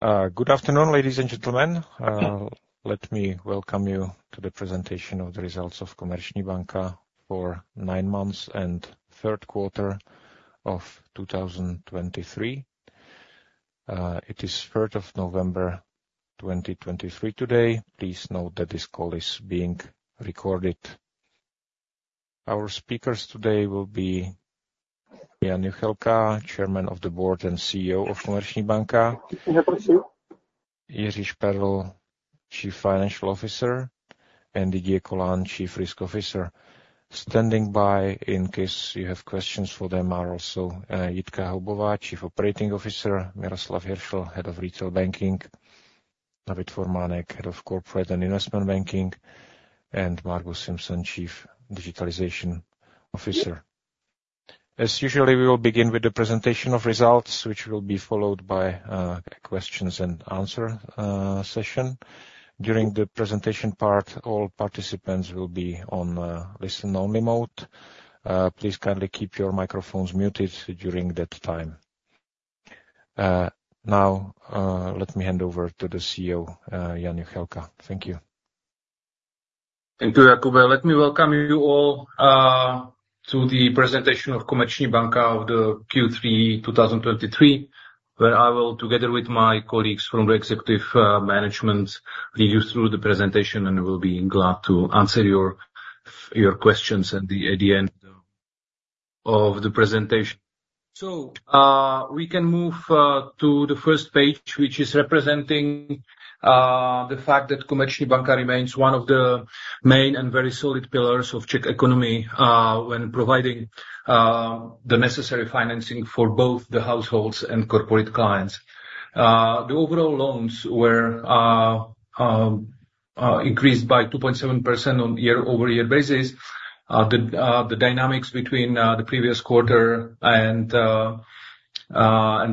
Good afternoon, ladies and gentlemen. Let me welcome you to the presentation of the results of Komerční banka for nine months and third quarter of 2023. It is 3rd of November, 2023 today. Please note that this call is being recorded. Our speakers today will be Jan Juchelka, Chairman of the Board and Chief Executive Officer of Komerční banka, Jiří Šperl, Chief Financial Officer, and Didier Colin, Chief Risk Officer. Standing by in case you have questions for them are also Jitka Haubová, Chief Operating Officer, Miroslav Hiršl, Head of Retail Banking, David Formánek, Head of Corporate and Investment Banking, and Margus Simson, Chief Digitalization Officer. As usual, we will begin with the presentation of results, which will be followed by questions and answer session. During the presentation part, all participants will be on listen-only mode. Please kindly keep your microphones muted during that time. Now, let me hand over to the Chief Executive Officer, Jan Juchelka. Thank you. Thank you, Jakub. Let me welcome you all to the presentation of Komerční banka of the Q3 2023, where I will, together with my colleagues from the executive management, lead you through the presentation, and will be glad to answer your questions at the end of the presentation. We can move to the first page, which is representing the fact that Komerční banka remains one of the main and very solid pillars of Czech economy, when providing the necessary financing for both the households and corporate clients. The overall loans were increased by 2.7% on year-over-year basis. The dynamics between the previous quarter and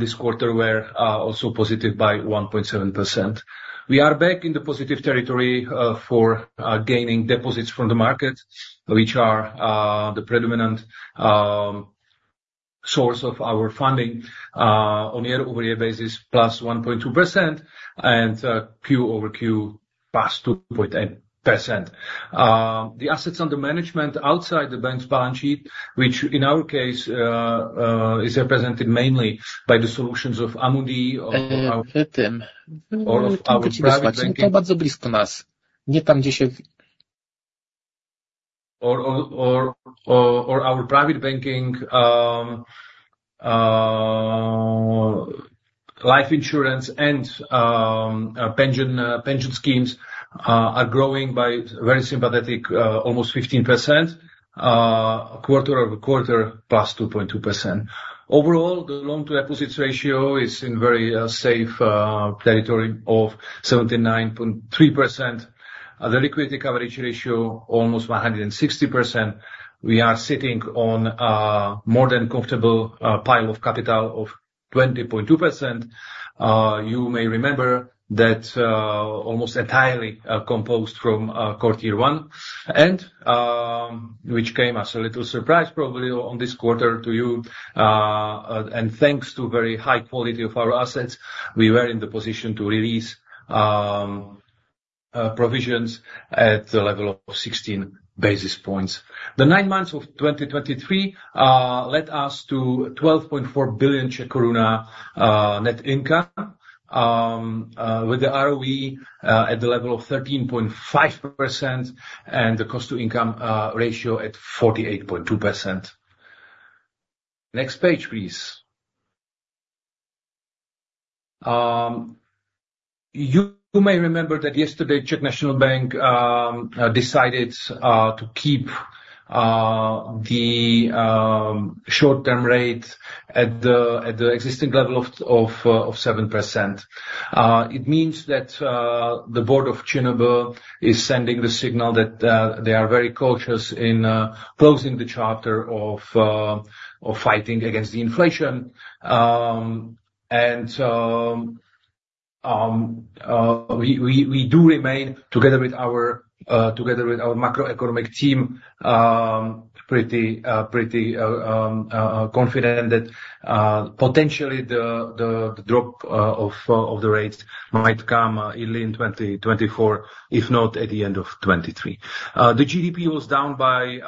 this quarter were also positive by 1.7%. We are back in the positive territory for gaining deposits from the market, which are the predominant source of our funding on year-over-year basis, +1.2%, and Q-over-Q, +2.8%. The assets under management outside the bank's balance sheet, which in our case is represented mainly by the solutions of Amundi or our, Our private banking, life insurance and, pension schemes, are growing by very sympathetic, almost 15%, quarter-over-quarter, +2.2%. Overall, the loan to deposits ratio is in very safe territory of 79.3%. The liquidity coverage ratio, almost 160%. We are sitting on a more than comfortable pile of capital of 20.2%. You may remember that, almost entirely composed from core tier one, and, which came as a little surprise, probably on this quarter to you. And thanks to very high quality of our assets, we were in the position to release provisions at the level of 16 basis points. The nine months of 2023 led us to 12.4 billion Czech koruna net income, with the ROE at the level of 13.5%, and the cost to income ratio at 48.2%. Next page, please. You may remember that yesterday, Czech National Bank decided to keep the short-term rate at the existing level of 7%. It means that the board of the CNB is sending the signal that they are very cautious in closing the chapter of fighting against the inflation. And we do remain together with our macroeconomic team pretty confident that potentially the drop of the rates might come early in 2024, if not at the end of 2023. The GDP was down by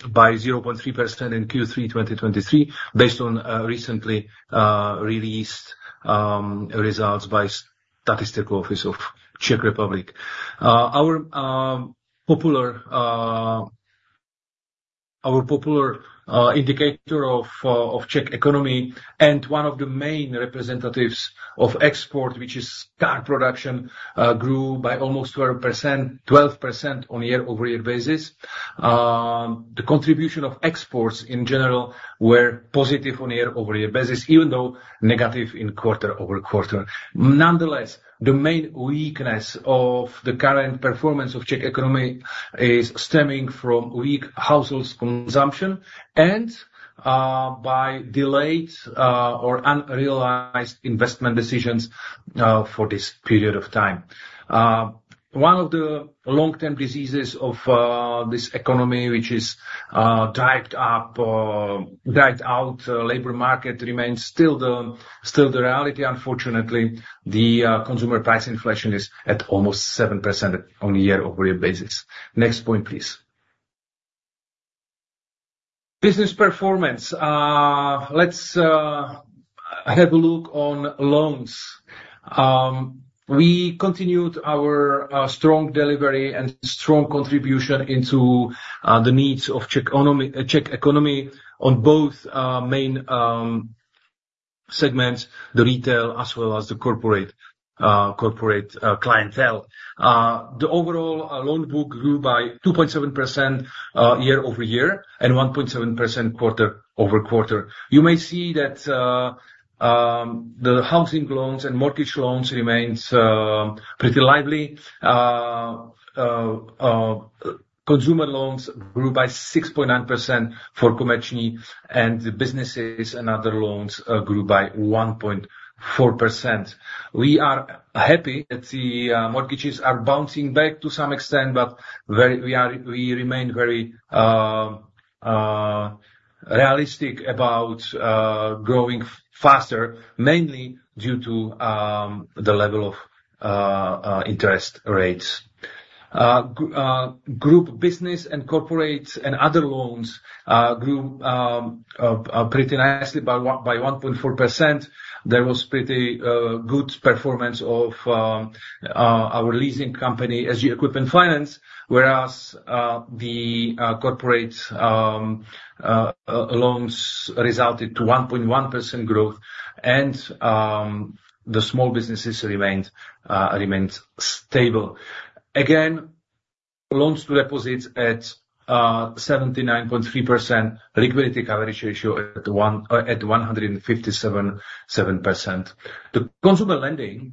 0.3% in Q3 2023, based on recently released results by Statistical Office of Czech Republic. Our popular indicator of Czech economy and one of the main representatives of export, which is car production, grew by almost 12%, 12% on a year-over-year basis. The contribution of exports in general were positive on a year-over-year basis, even though negative in quarter-over-quarter. Nonetheless, the main weakness of the current performance of Czech economy is stemming from weak households consumption and by delayed or unrealized investment decisions for this period of time. One of the long-term diseases of this economy, which is tight dried-up labor market, remains still the reality unfortunately. The consumer price inflation is at almost 7% on a year-over-year basis. Next point, please. Business performance. Let's have a look on loans. We continued our strong delivery and strong contribution into the needs of Czech economy on both main segments, the retail as well as the corporate clientele. The overall loan book grew by 2.7% year-over-year, and 1.7% quarter-over-quarter. You may see that, the housing loans and mortgage loans remains pretty lively. Consumer loans grew by 6.9% for commercial, and the businesses and other loans grew by 1.4%. We are happy that the mortgages are bouncing back to some extent, but very we are, we remain very realistic about growing faster, mainly due to the level of interest rates. Group business and corporate and other loans grew pretty nicely by one, by 1.4%. There was pretty good performance of our leasing company as the equipment finance, whereas the corporate loans resulted to 1.1% growth, and the small businesses remained, remained stable. Again, loans to deposits at 79.3%. Liquidity coverage ratio at 157.7%. The consumer lending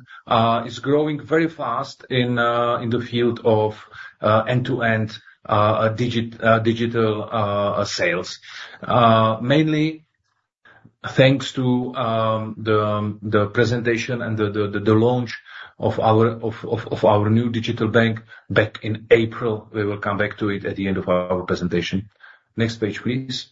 is growing very fast in the field of end-to-end digital sales. Mainly thanks to the presentation and the launch of our new digital bank back in April. We will come back to it at the end of our presentation. Next page, please.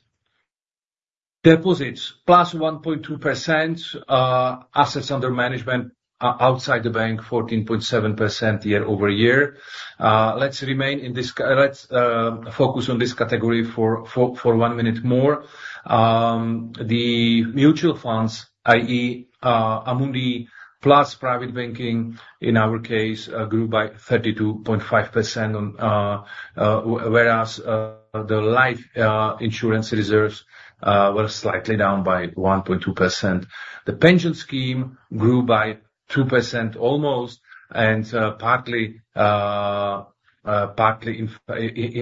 Deposits +1.2%. Assets under management outside the bank 14.7% year-over-year. Let's focus on this category for one minute more. The mutual funds, i.e., Amundi plus private banking, in our case, grew by 32.5% on, whereas the life insurance reserves were slightly down by 1.2%. The pension scheme grew by 2% almost, and partly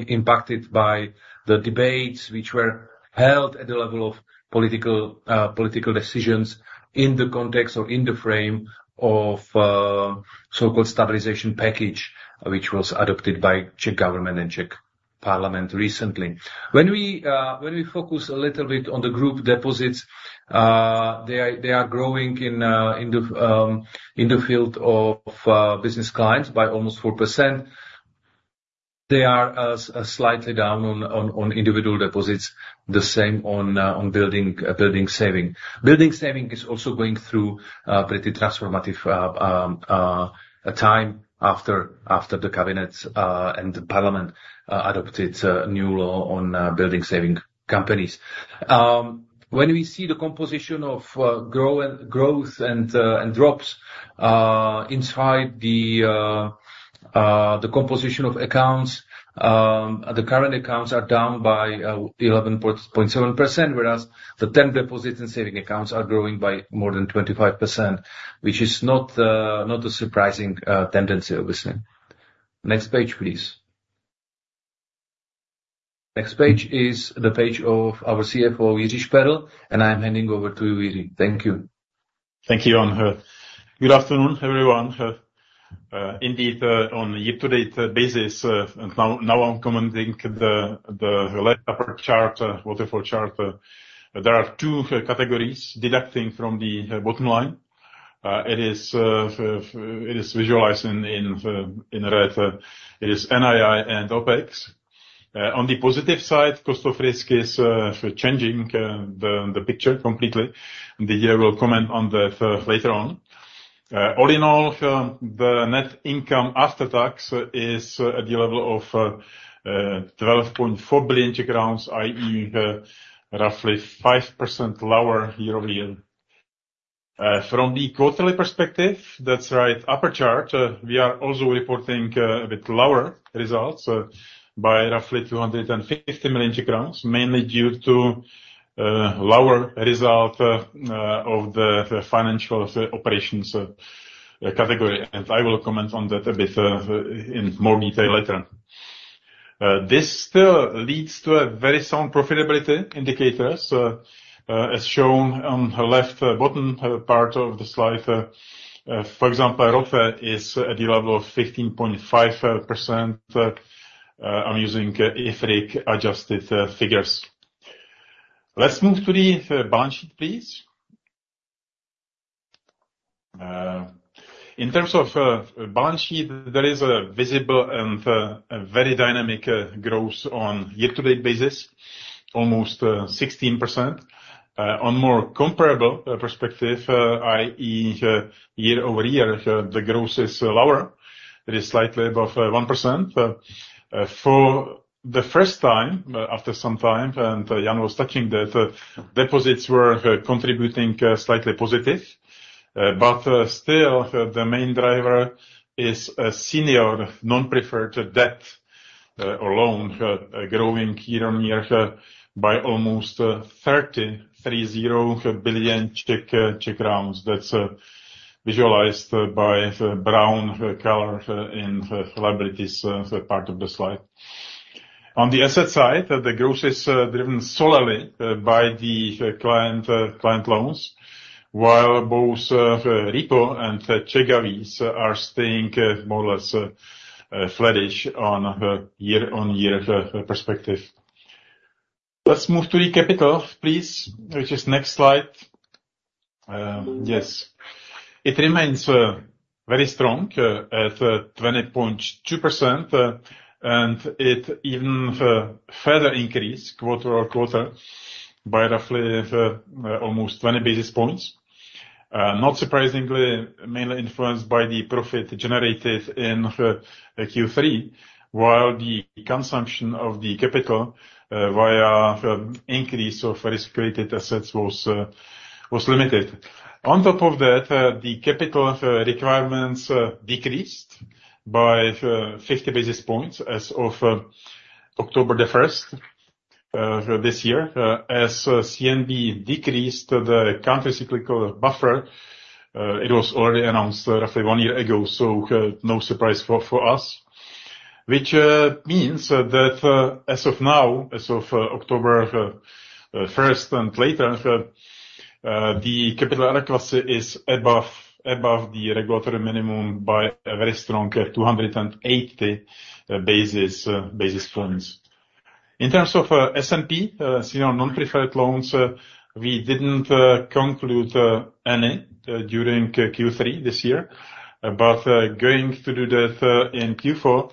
impacted by the debates, which were held at the level of political decisions in the context or in the frame of so-called stabilization package, which was adopted by Czech government and Czech parliament recently. When we focus a little bit on the group deposits, they are growing in the field of business clients by almost 4%. They are slightly down on individual deposits, the same on building saving. Building savings is also going through pretty transformative time after the cabinet and the parliament adopted a new law on building savings companies. When we see the composition of growth and drops inside the composition of accounts, the current accounts are down by 11.7%, whereas the term deposits and savings accounts are growing by more than 25%, which is not a surprising tendency, obviously. Next page, please. Next page is the page of our Chief Financial Officer, Jiří Šperl, and I am handing over to you, Jiří. Thank you. Thank you, Jan. Good afternoon, everyone. Indeed, on a year-to-date basis, now I'm commenting the left upper chart, waterfall chart. There are two categories deducting from the bottom line. It is visualized in red. It is NII and OpEx. On the positive side, cost of risk is changing the picture completely, and Jiří will comment on that later on. All in all, the net income after tax is at the level of 12.4 billion crowns, i.e., roughly 5% lower year-over-year. From the quarterly perspective, that's right, upper chart, we are also reporting a bit lower results by roughly 250 million, mainly due to lower result of the financial operations category, and I will comment on that a bit in more detail later. This still leads to very sound profitability indicators as shown on the left bottom part of the slide. For example, ROE is at the level of 15.5%. I'm using IFRS adjusted figures. Let's move to the balance sheet, please. In terms of balance sheet, there is a visible and a very dynamic growth on year-to-date basis, almost 16%. On more comparable perspective, i.e., year-over-year, the growth is lower. It is slightly above 1%. For the first time, after some time, and Jan was touching that, deposits were contributing slightly positive. But still, the main driver is a senior non-preferred debt or loan growing year-on-year by almost 33 billion That's visualized by the brown color in the liabilities part of the slide. On the asset side, the growth is driven solely by the client loans, while both repo and Czech govies are staying more or less flattish on a year-over-year perspective. Let's move to the capital, please, which is next slide. Yes. It remains very strong at 20.2%, and it even further increased quarter-over-quarter by roughly almost 20 basis points. Not surprisingly, mainly influenced by the profit generated in Q3, while the consumption of the capital via increase of risk-weighted assets was limited. On top of that, the capital requirements decreased by 50 basis points as of October the first this year. As CNB decreased the countercyclical buffer, it was already announced roughly one year ago, so no surprise for us. Which means that as of now, as of October first and later, the capital adequacy is above the regulatory minimum by a very strong 280 basis points. In terms of SNP senior non-preferred loans, we didn't conclude any during Q3 this year, but going to do that in Q4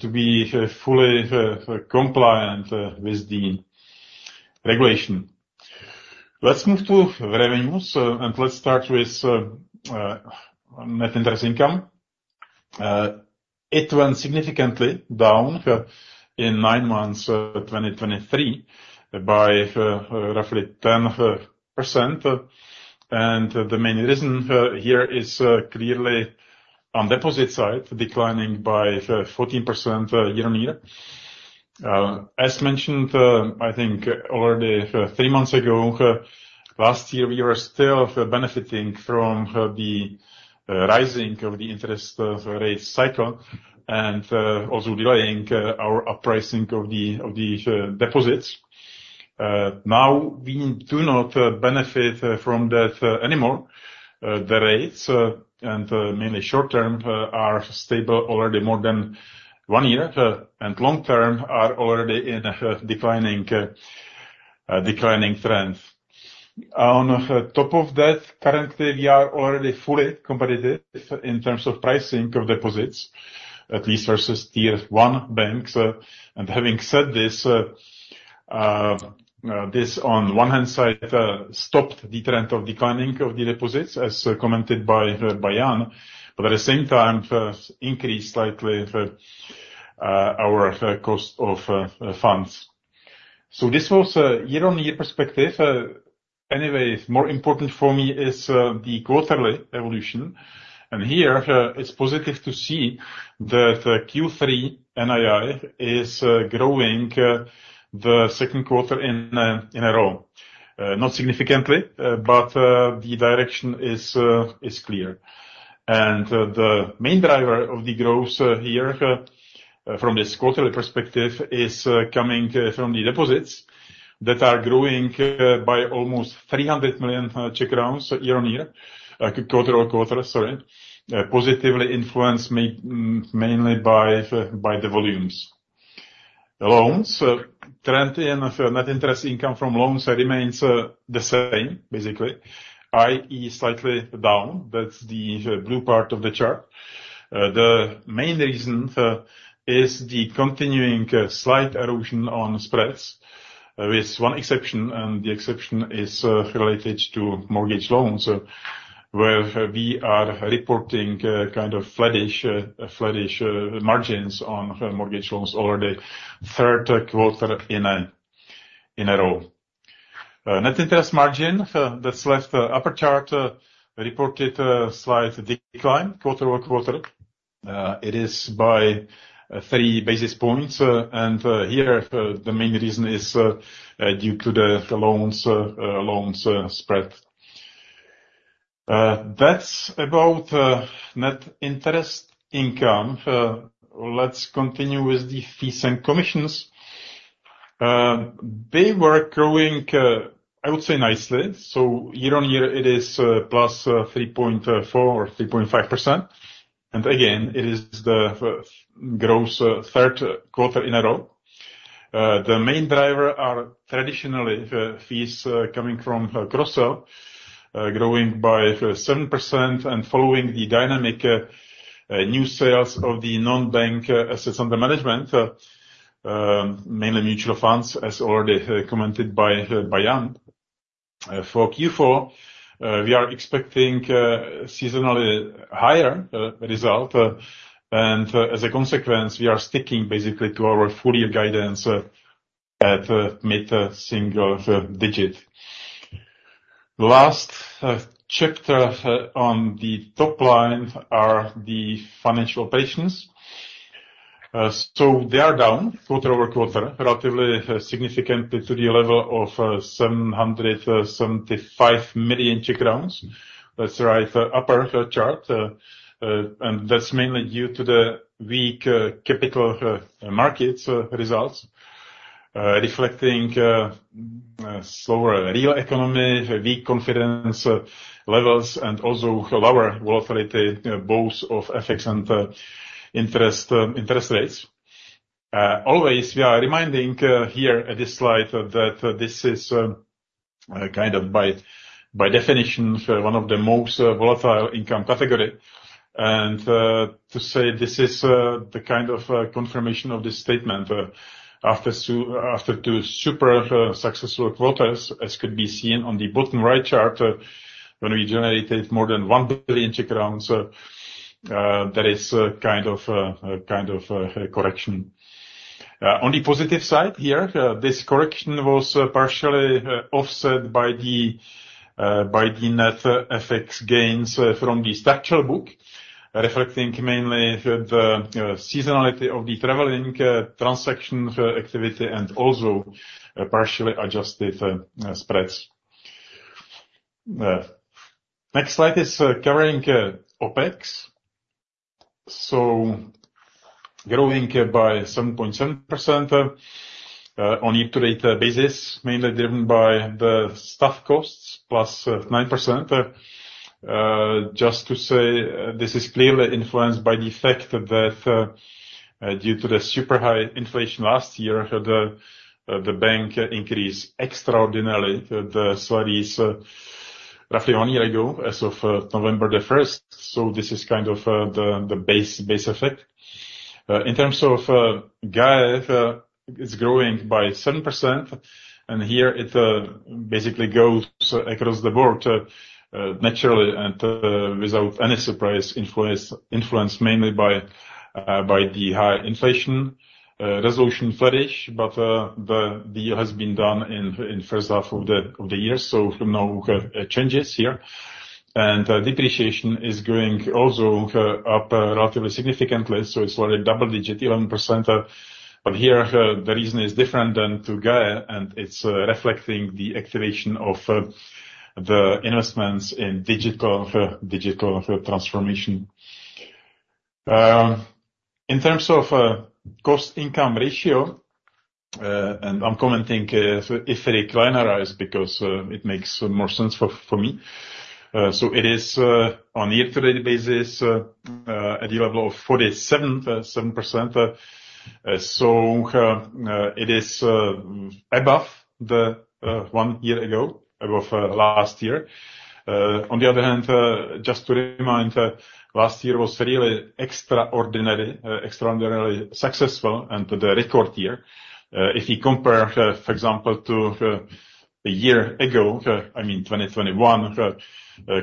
to be fully compliant with the regulation. Let's move to revenues, and let's start with net interest income. It went significantly down in nine months 2023 by roughly 10%. The main reason here is clearly on deposit side, declining by 14% year-on-year. As mentioned, I think already three months ago, last year, we were still benefiting from the rising of the interest rate cycle and also delaying our pricing of the deposits. Now, we do not benefit from that anymore. The rates and mainly short-term are stable already more than one year, and long-term are already in a declining trend. On top of that, currently, we are already fully competitive in terms of pricing of deposits, at least versus tier one banks. And having said this, this on one hand side stopped the trend of declining of the deposits, as commented by Jan, but at the same time, increased slightly our cost of funds. So this was a year-on-year perspective. Anyway, more important for me is the quarterly evolution. And here, it's positive to see that Q3 NII is growing the second quarter in a row. Not significantly, but the direction is clear. The main driver of the growth here from this quarterly perspective is coming from the deposits that are growing by almost 300 million Czech crowns quarter-over-quarter, sorry, positively influenced mainly by the volumes. Loans trend in net interest income from loans remains the same, basically, i.e., slightly down. That's the blue part of the chart. The main reason is the continuing slight erosion on spreads with one exception, and the exception is related to mortgage loans where we are reporting kind of flattish, flattish margins on mortgage loans already third quarter in a row. Net interest margin, that's left upper chart, reported a slight decline quarter-over-quarter. It is by three basis points. And here the main reason is due to the loans spread. That's about net interest income. Let's continue with the fees and commissions. They were growing, I would say, nicely. So year-on-year, it is plus 3.4% or 3.5%. And again, it is the growth third quarter in a row. The main driver are traditionally the fees coming from cross-sell growing by 7% and following the dynamic new sales of the non-bank assets under management mainly mutual funds, as already commented by Jan. For Q4, we are expecting seasonally higher result, and as a consequence, we are sticking basically to our full year guidance at mid-single digit. The last chapter on the top line are the financial markets. So they are down quarter-over-quarter, relatively significantly to the level of 775 million Czech crowns. Let's look at the upper chart, and that's mainly due to the weak capital markets results, reflecting slower real economy, weak confidence levels, and also lower volatility, both of FX and interest rates. As always, we are reminding here at this slide, that this is kind of by definition, one of the most volatile income category. To say this is the kind of confirmation of this statement, after two super successful quarters, as could be seen on the bottom right chart, when we generated more than 1 billion, there is kind of a correction. On the positive side here, this correction was partially offset by the net FX gains from the structural book, reflecting mainly the seasonality of the traveling transaction activity, and also partially adjusted spreads. Next slide is covering OpEx. So growing by 7.7% on year-to-date basis, mainly driven by the staff costs +9%. Just to say, this is clearly influenced by the fact that, due to the super high inflation last year, the bank increased extraordinarily the salaries roughly one year ago, as of November the first. So this is kind of the base effect. In terms of G&A, it's growing by 7%, and here it basically goes across the board, naturally, and without any surprise influence, influenced mainly by the high inflation, Resolution Fund. But the year has been done in first half of the year, so no changes here. And depreciation is going also up relatively significantly, so it's like a double digit, 11%. But here the reason is different than to G&A, and it's reflecting the activation of the investments in digital transformation. In terms of cost-income ratio, and I'm commenting if it linearize, because it makes more sense for me. So it is on year-to-date basis at the level of 47.7%. So it is above the one year ago, above last year. On the other hand, just to remind, last year was really extraordinary, extraordinarily successful and the record year. If you compare, for example, to a year ago, I mean, 2021,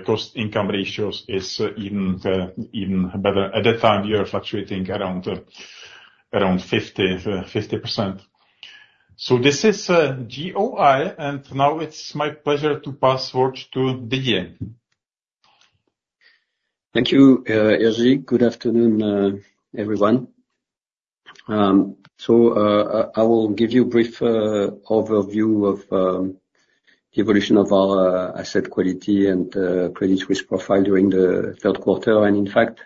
cost income ratio is even better. At that time, we are fluctuating around 50%. So this is GOI, and now it's my pleasure to pass over to Didier. Thank you, Jiří. Good afternoon, everyone. So, I will give you a brief overview of the evolution of our asset quality and credit risk profile during the third quarter. And in fact,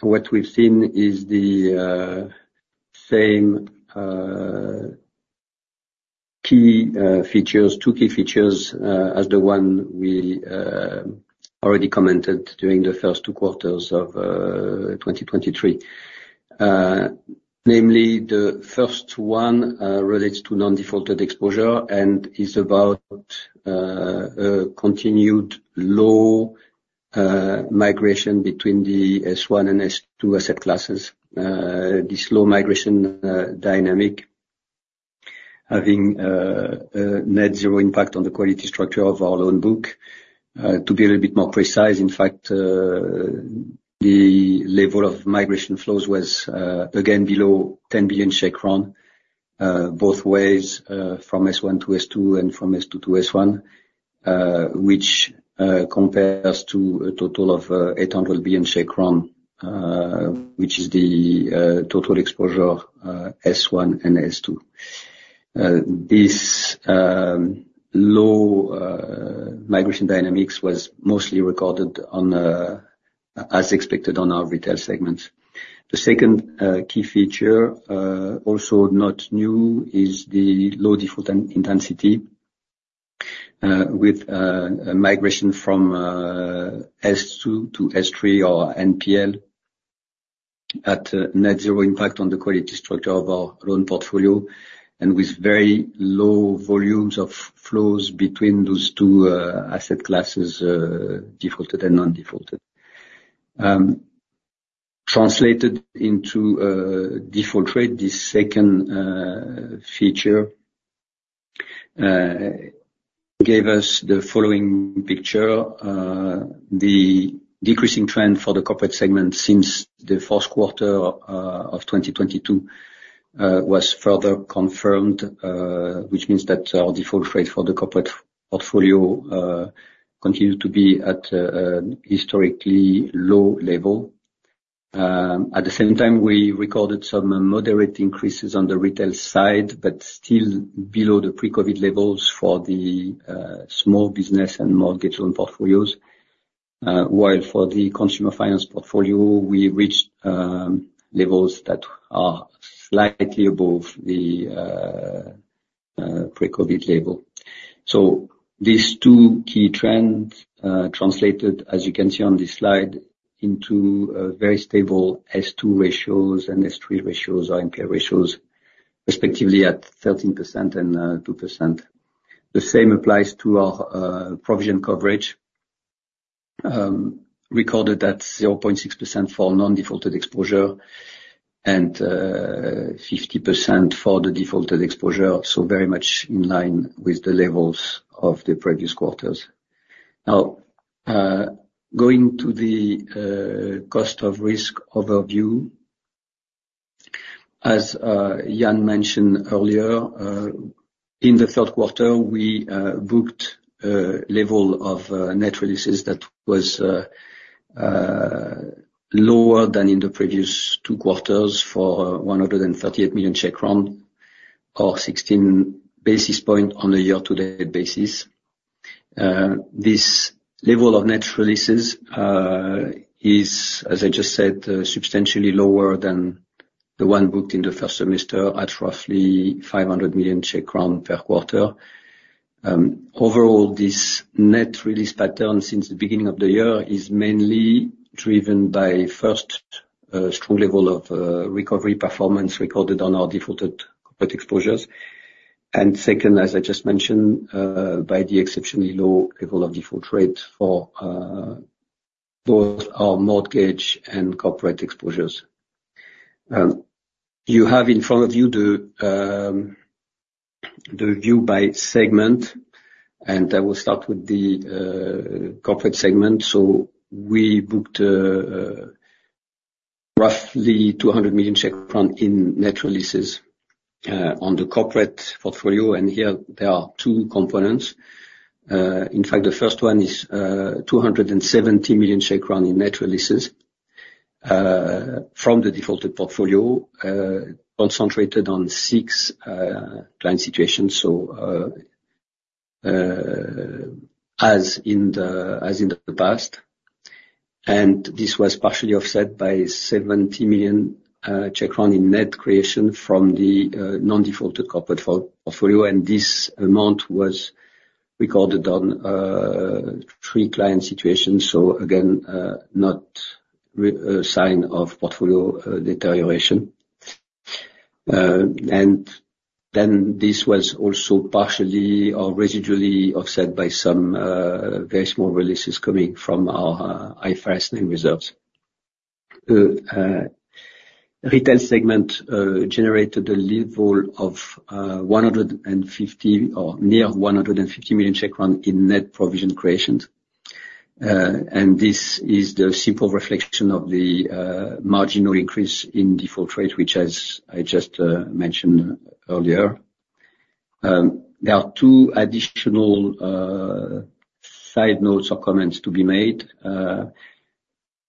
what we've seen is the same key features, two key features, as the one we already commented during the first two quarters of 2023. Namely, the first one relates to non-defaulted exposure and is about a continued low migration between the S1 and S2 asset classes. This low migration dynamic, having a net zero impact on the quality structure of our loan book. To be a little bit more precise, in fact, the level of migration flows was, again, below 10 billion, both ways, from S1 to S2 and from S2 to S1, which compares to a total of 800 billion, which is the total exposure, S1 and S2. This low migration dynamics was mostly recorded on, as expected on our retail segment. The second key feature, also not new, is the low default intensity, with a migration from S2 to S3 or NPL at net zero impact on the quality structure of our loan portfolio, and with very low volumes of flows between those two asset classes, defaulted and non-defaulted. Translated into a default rate, this second feature gave us the following picture. The decreasing trend for the corporate segment since the first quarter of 2022 was further confirmed, which means that our default rate for the corporate portfolio continued to be at a historically low level. At the same time, we recorded some moderate increases on the retail side, but still below the pre-COVID levels for the small business and mortgage loan portfolios. While for the consumer finance portfolio, we reached levels that are slightly above the pre-COVID level. So these two key trends translated, as you can see on this slide, into a very stable S2 ratios and S3 ratios, NPL ratios, respectively, at 13% and 2%. The same applies to our provision coverage, recorded at 0.6% for non-defaulted exposure and 50% for the defaulted exposure, so very much in line with the levels of the previous quarters. Now, going to the cost of risk overview. As Jan mentioned earlier, in the third quarter, we booked a level of net releases that was lower than in the previous two quarters for 138 million, or 16 basis point on a year-to-date basis. This level of net releases is, as I just said, substantially lower than the one booked in the first semester at roughly 500 million Czech crown per quarter. Overall, this net release pattern since the beginning of the year is mainly driven by first, strong level of recovery performance recorded on our defaulted corporate exposures. And second, as I just mentioned, by the exceptionally low level of default rates for both our mortgage and corporate exposures. You have in front of you the view by segment, and I will start with the corporate segment. So we booked roughly 200 million Czech crown in net releases on the corporate portfolio, and here there are two components. In fact, the first one is 270 million in net releases from the defaulted portfolio, concentrated on 6 client situations, so, as in the past. This was partially offset by 70 million in net creation from the non-defaulted corporate portfolio, and this amount was recorded on three client situations. So again, not a sign of portfolio deterioration. Then this was also partially or residually offset by some very small releases coming from our IFRS 9 reserves. The retail segment generated a level of 150 or near 150 million crown in net provision creations. And this is the simple reflection of the marginal increase in default rate, which as I just mentioned earlier. There are two additional side notes or comments to be made.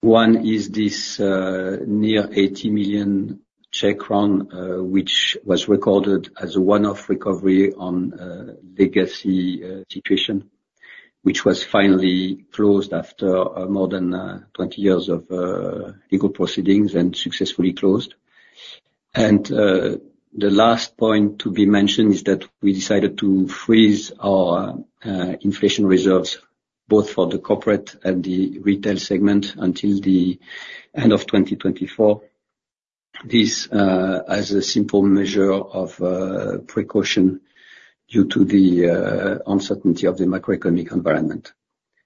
One is this near 80 million, which was recorded as a one-off recovery on a legacy situation, which was finally closed after more than 20 years of legal proceedings and successfully closed. The last point to be mentioned is that we decided to freeze our inflation reserves, both for the corporate and the retail segment, until the end of 2024. This as a simple measure of precaution due to the uncertainty of the macroeconomic environment.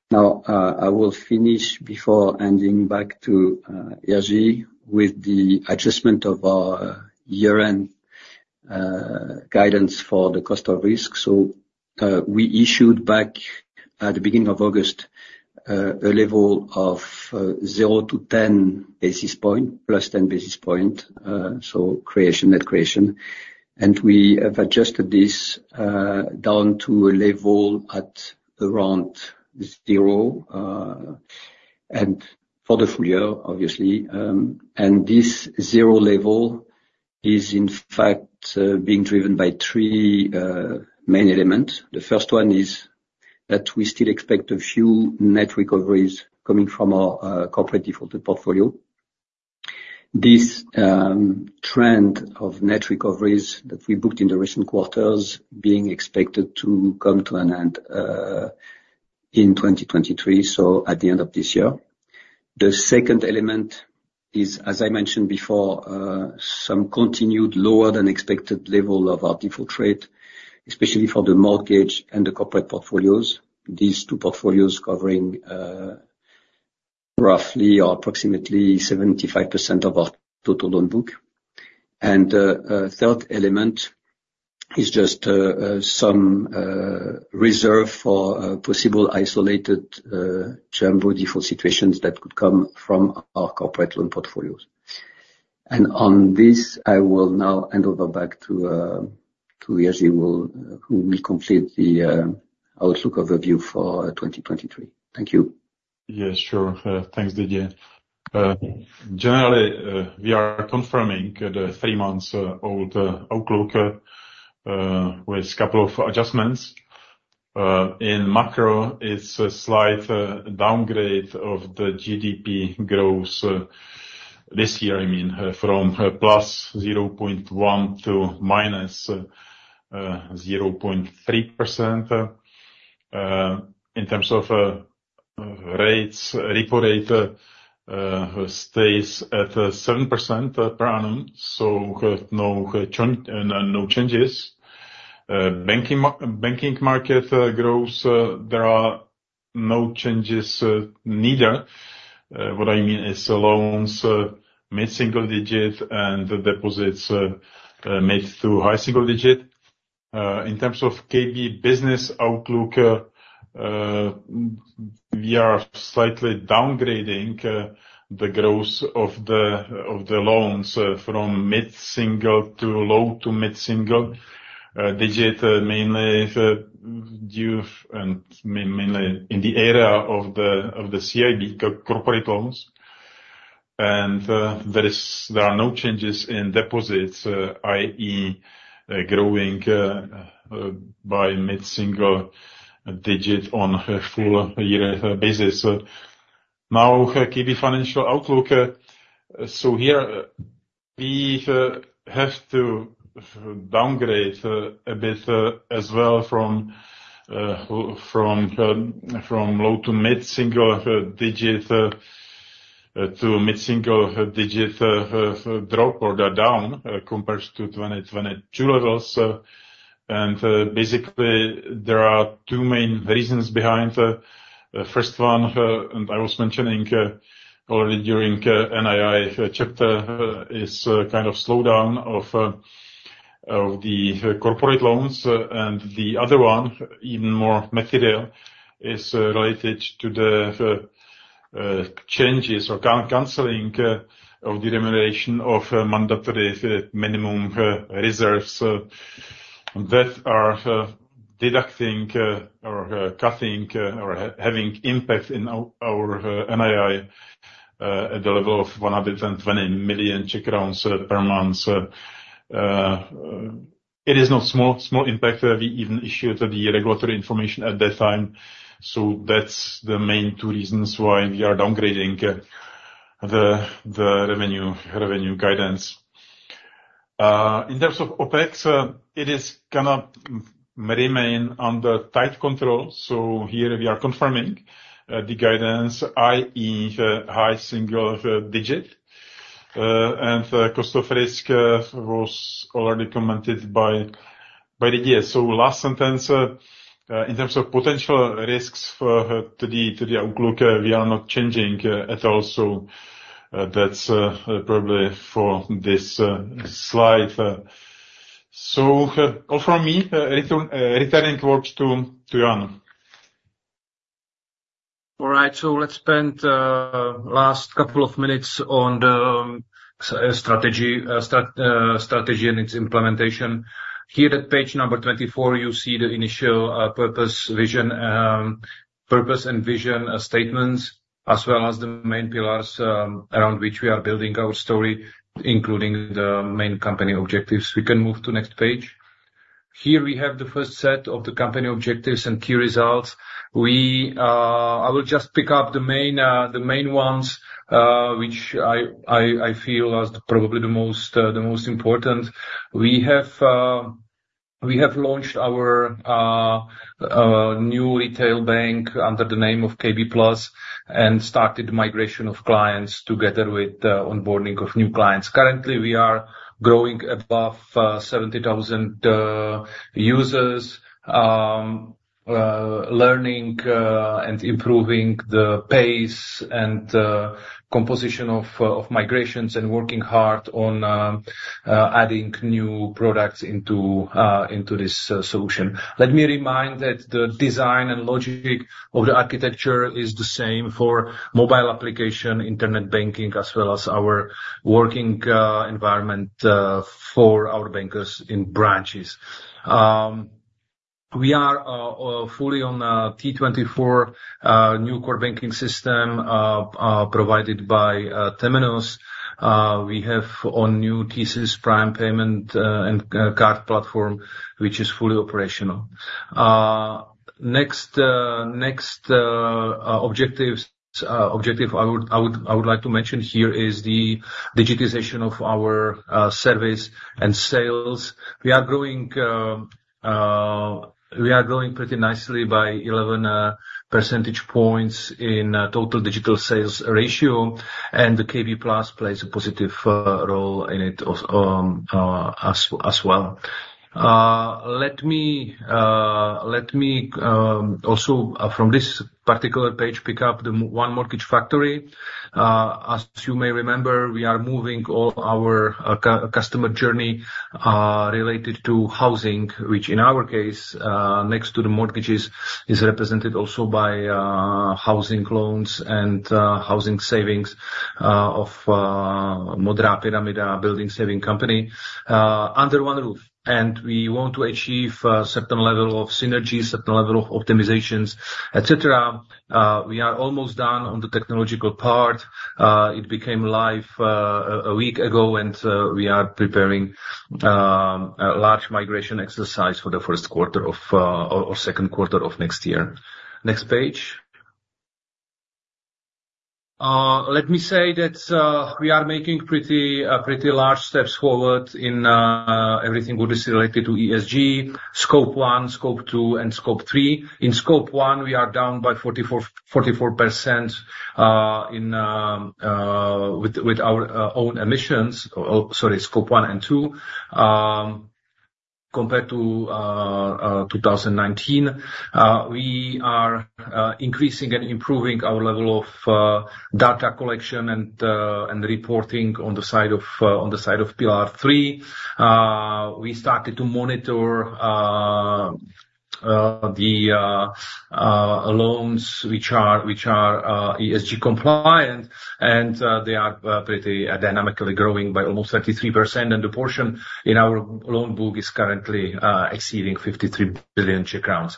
Now I will finish before handing back to Jiří, with the adjustment of our year-end guidance for the cost of risk. We issued back at the beginning of August a level of zero to 10 basis points +10 basis points gross creation, net creation. We have adjusted this down to a level at around zero, and for the full year, obviously. This zero level is, in fact, being driven by three main elements. The first one is that we still expect a few net recoveries coming from our corporate defaulted portfolio.... This trend of net recoveries that we booked in the recent quarters, being expected to come to an end in 2023, so at the end of this year. The second element is, as I mentioned before, some continued lower than expected level of our default rate, especially for the mortgage and the corporate portfolios. These two portfolios covering roughly or approximately 75% of our total loan book. A third element is just some reserve for possible isolated jumbo default situations that could come from our corporate loan portfolios. On this, I will now hand over back to Jiří Šperl, who will complete the outlook overview for 2023. Thank you. Yeah, sure. Thanks, Didier. Generally, we are confirming the three months old outlook with a couple of adjustments. In macro, it's a slight downgrade of the GDP growth this year, I mean, from +0.1% to -0.3%. In terms of rates, repo rate stays at 7% per annum, so no change, no changes. Banking market growth, there are no changes neither. What I mean is the loans mid-single digit, and the deposits mid to high single digit. In terms of KB business outlook, we are slightly downgrading the growth of the loans from mid-single to low to mid-single digit, mainly the due and mainly in the area of the CIB corporate loans. And there are no changes in deposits, i.e., growing by mid-single digit on a full year basis. Now, KB financial outlook. So here, we have to downgrade a bit as well from low to mid single digit to mid single digit drop or down compared to 2022 levels. And basically, there are two main reasons behind the first one, and I was mentioning already during NII chapter, is kind of slowdown of the corporate loans. And the other one, even more material, is related to the changes or canceling of the elimination of mandatory minimum reserves that are deducting or cutting or having impact in our NII at the level of 120 million per month. It is not small impact. We even issued the regulatory information at that time. So that's the main two reasons why we are downgrading the revenue guidance. In terms of OpEx, it is gonna remain under tight control, so here we are confirming the guidance, i.e., high single digit. And cost of risk was already commented by Didier. So last sentence, in terms of potential risks to the outlook, we are not changing at all. So, that's probably for this slide. So, all from me, returning it back to Jan. All right. So let's spend last couple of minutes on the strategy and its implementation. Here at page number 24, you see the initial purpose, vision, purpose and vision statements, as well as the main pillars around which we are building our story, including the main company objectives. We can move to next page. Here, we have the first set of the company objectives and key results. I will just pick up the main ones, which I feel are probably the most important. We have launched our new retail bank under the name of KB+, and started migration of clients together with the onboarding of new clients. Currently, we are growing above 70,000 users, learning and improving the pace and composition of migrations, and working hard on adding new products into this solution. Let me remind that the design and logic of the architecture is the same for mobile application, internet banking, as well as our working environment for our bankers in branches. We are fully on T24 new core banking system provided by Temenos. We have on new TSYS Prime payment and card platform, which is fully operational. Next objective I would like to mention here is the digitization of our service and sales. We are growing, we are growing pretty nicely by 11 percentage points in total digital sales ratio, and the KB+ plays a positive role in it as, as well. Let me also from this particular page pick up the One Mortgage Factory. As you may remember, we are moving all our customer journey related to housing, which in our case next to the mortgages, is represented also by housing loans and housing savings of Modrá pyramida building savings company under one roof. And we want to achieve a certain level of synergy, certain level of optimizations, etc. We are almost done on the technological part. It became live a week ago, and we are preparing a large migration exercise for the first quarter of or second quarter of next year. Next page. Let me say that we are making pretty, pretty large steps forward in everything what is related to ESG, Scope 1, Scope 2, and Scope 3. In Scope 1, we are down by 44, 44% in with our own emissions. Oh, sorry, Scope 1 and 2. Compared to 2019, we are increasing and improving our level of data collection and reporting on the side of Pillar 3. We started to monitor the loans which are ESG compliant, and they are pretty dynamically growing by almost 33%, and the portion in our loan book is currently exceeding 53 billion Czech crowns.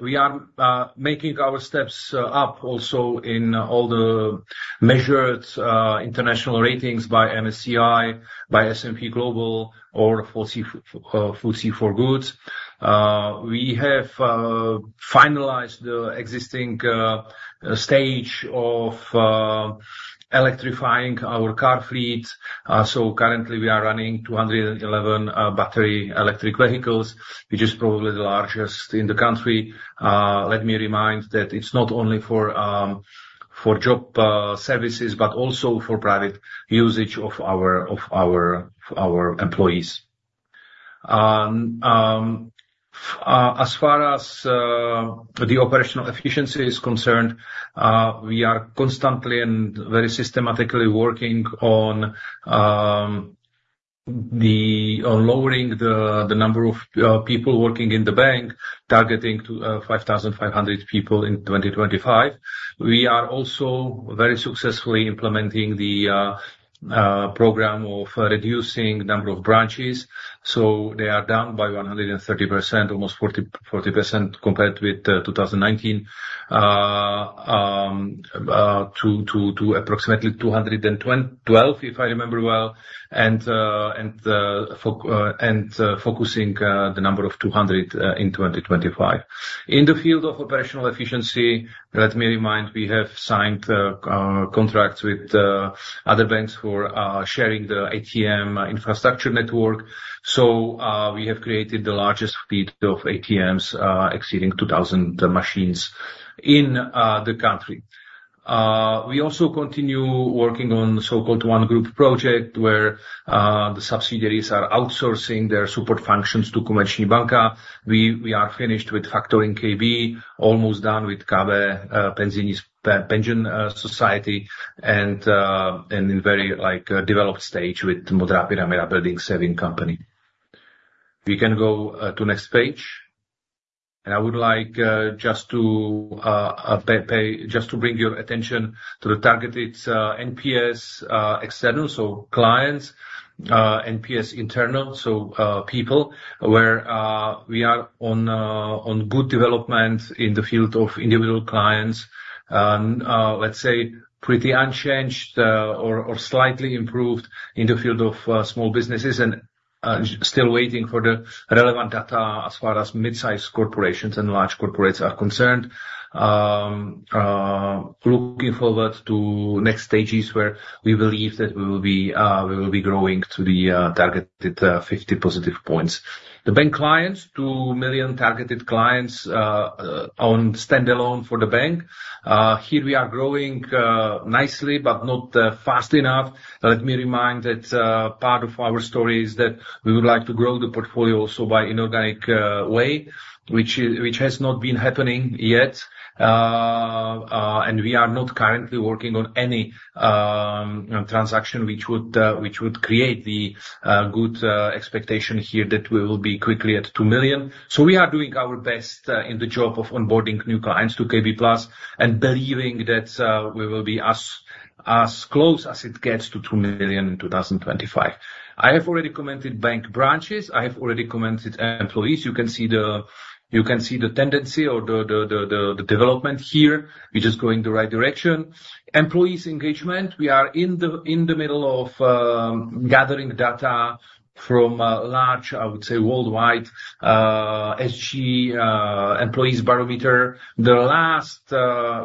We are making our steps up also in all the measured international ratings by MSCI, by SNP Global, or FTSE, FTSE4Good. We have finalized the existing stage of electrifying our car fleet. So currently we are running 211 battery electric vehicles, which is probably the largest in the country. Let me remind that it's not only for job services, but also for private usage of our employees. As far as the operational efficiency is concerned, we are constantly and very systematically working on lowering the number of people working in the bank, targeting to 5,500 people in 2025. We are also very successfully implementing the program of reducing number of branches, so they are down by 130%, almost 40% compared with 2019 to approximately 212, if I remember well, and focusing the number of 200 in 2025. In the field of operational efficiency, let me remind, we have signed contracts with other banks who are sharing the ATM infrastructure network. So, we have created the largest fleet of ATMs, exceeding 2,000 machines in the country. We also continue working on the so-called One Group project, where the subsidiaries are outsourcing their support functions to Komerční banka. We are finished with factoring KB, almost done with KB, Penzijní pension society, and in very, like, developed stage with Modrá pyramida building saving company. We can go to next page. And I would like just to bring your attention to the targeted NPS external, so clients, NPS internal, so people, where we are on good development in the field of individual clients. Let's say pretty unchanged, or, or slightly improved in the field of small businesses, and still waiting for the relevant data as far as mid-sized corporations and large corporates are concerned. Looking forward to next stages where we believe that we will be, we will be growing to the targeted 50 positive points. The bank clients, 2 million targeted clients, on standalone for the bank. Here we are growing nicely, but not fast enough. Let me remind that part of our story is that we would like to grow the portfolio also by inorganic way, which is, which has not been happening yet. We are not currently working on any transaction which would create the good expectation here that we will be quickly at 2 million. So we are doing our best in the job of onboarding new clients to KB+, and believing that we will be as close as it gets to 2 million in 2025. I have already commented bank branches, I have already commented employees. You can see the tendency or the development here, which is going the right direction. Employees' engagement, we are in the middle of gathering data from a large, I would say, worldwide SG employees barometer. The last,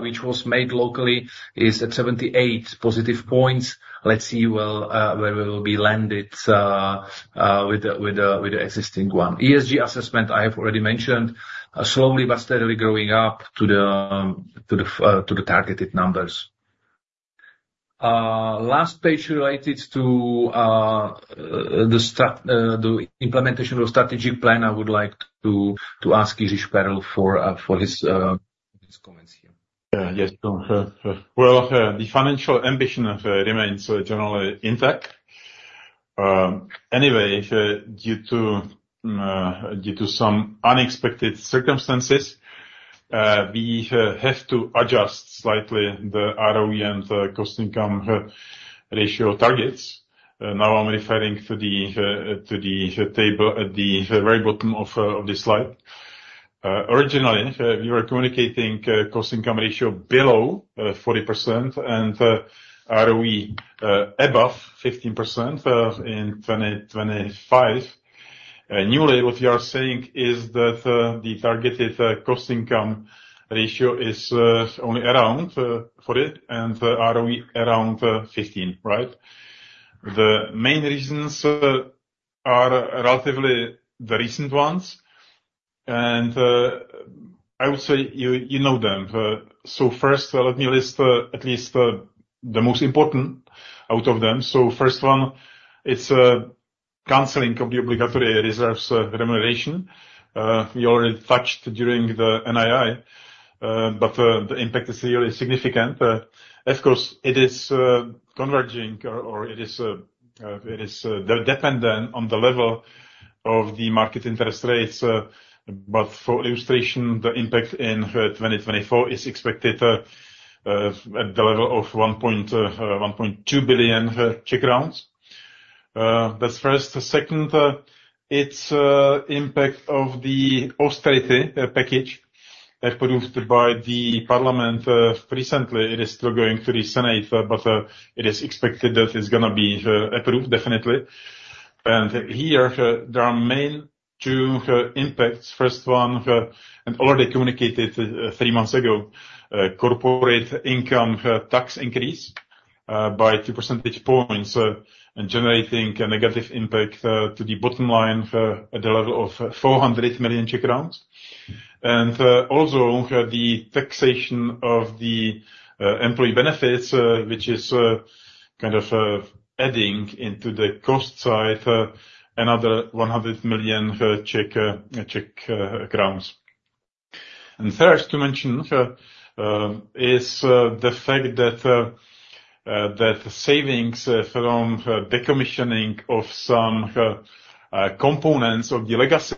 which was made locally, is at 78 positive points. Let's see where we will be landed with the existing one. ESG assessment, I have already mentioned, are slowly but steadily growing up to the targeted numbers. Last page related to the implementation of strategy plan, I would like to ask Jiří Šperl for his comments here. Yes, sure. Well, the financial ambition of KB remains generally intact. Anyway, due to some unexpected circumstances, we have to adjust slightly the ROE and the cost-income ratio targets. Now, I'm referring to the table at the very bottom of this slide. Originally, we were communicating cost-income ratio below 40%, and ROE above 15% in 2025. Newly, what we are saying is that the targeted cost-income ratio is only around 40, and ROE around 15, right? The main reasons are relatively the recent ones, and I would say you know them. So first, let me list at least the most important out of them. So first one, it's cancelling of the obligatory reserves remuneration. We already touched during the NII, but the impact is really significant. Of course, it is converging or it is dependent on the level of the market interest rates. But for illustration, the impact in 2024 is expected at the level of 1.2 billion. That's first. The second, it's impact of the austerity package approved by the parliament recently. It is still going through the Senate, but it is expected that it's going to be approved, definitely. And here, there are main two impacts. First one, and already communicated three months ago, corporate income tax increase by 2 percentage points, and generating a negative impact to the bottom line at the level of 400 million. And also, the taxation of the employee benefits, which is kind of adding into the cost side another 100 million Czech crowns. And third to mention is the fact that that savings from decommissioning of some components of the legacy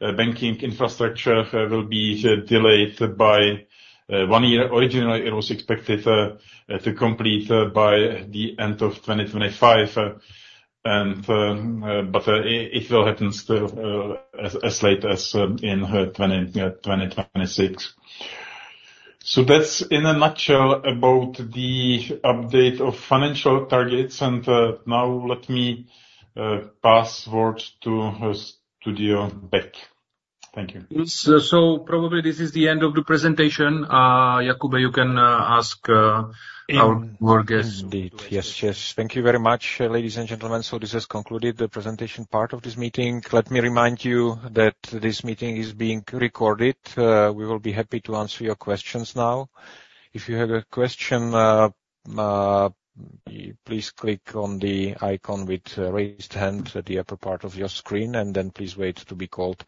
banking infrastructure will be delayed by one year. Originally, it was expected to complete by the end of 2025, and but it will happen still as as late as in 2026. So that's in a nutshell about the update of financial targets, and now let me pass word to you back. Thank you. So probably this is the end of the presentation. Jakub, you can ask our guests. Indeed. Yes, yes. Thank you very much, ladies and gentlemen. So this has concluded the presentation part of this meeting. Let me remind you that this meeting is being recorded. We will be happy to answer your questions now. If you have a question, please click on the icon with raised hand at the upper part of your screen, and then please wait to be called.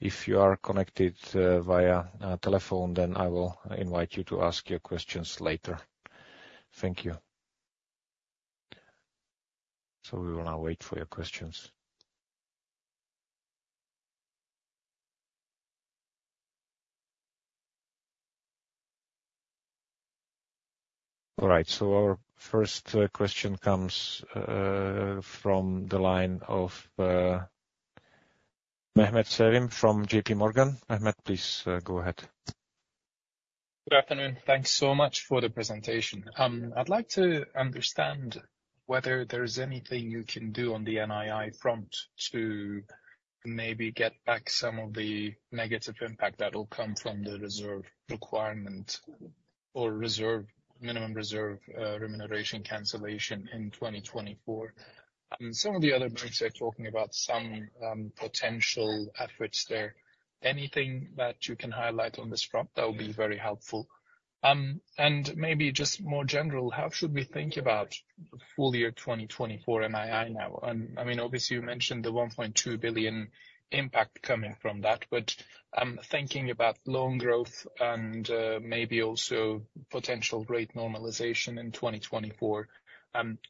If you are connected via telephone, then I will invite you to ask your questions later. Thank you. So we will now wait for your questions. All right, so our first question comes from the line of Mehmet Sevim from J.P. Morgan. Mehmet, please go ahead. Good afternoon. Thanks so much for the presentation. I'd like to understand whether there is anything you can do on the NII front to maybe get back some of the negative impact that will come from the reserve requirement or minimum reserve remuneration cancellation in 2024. And some of the other banks are talking about some potential efforts there. Anything that you can highlight on this front, that would be very helpful. And maybe just more general, how should we think about full year 2024 NII now? And I mean, obviously, you mentioned the 1.2 billion impact coming from that, but I'm thinking about loan growth and maybe also potential rate normalization in 2024,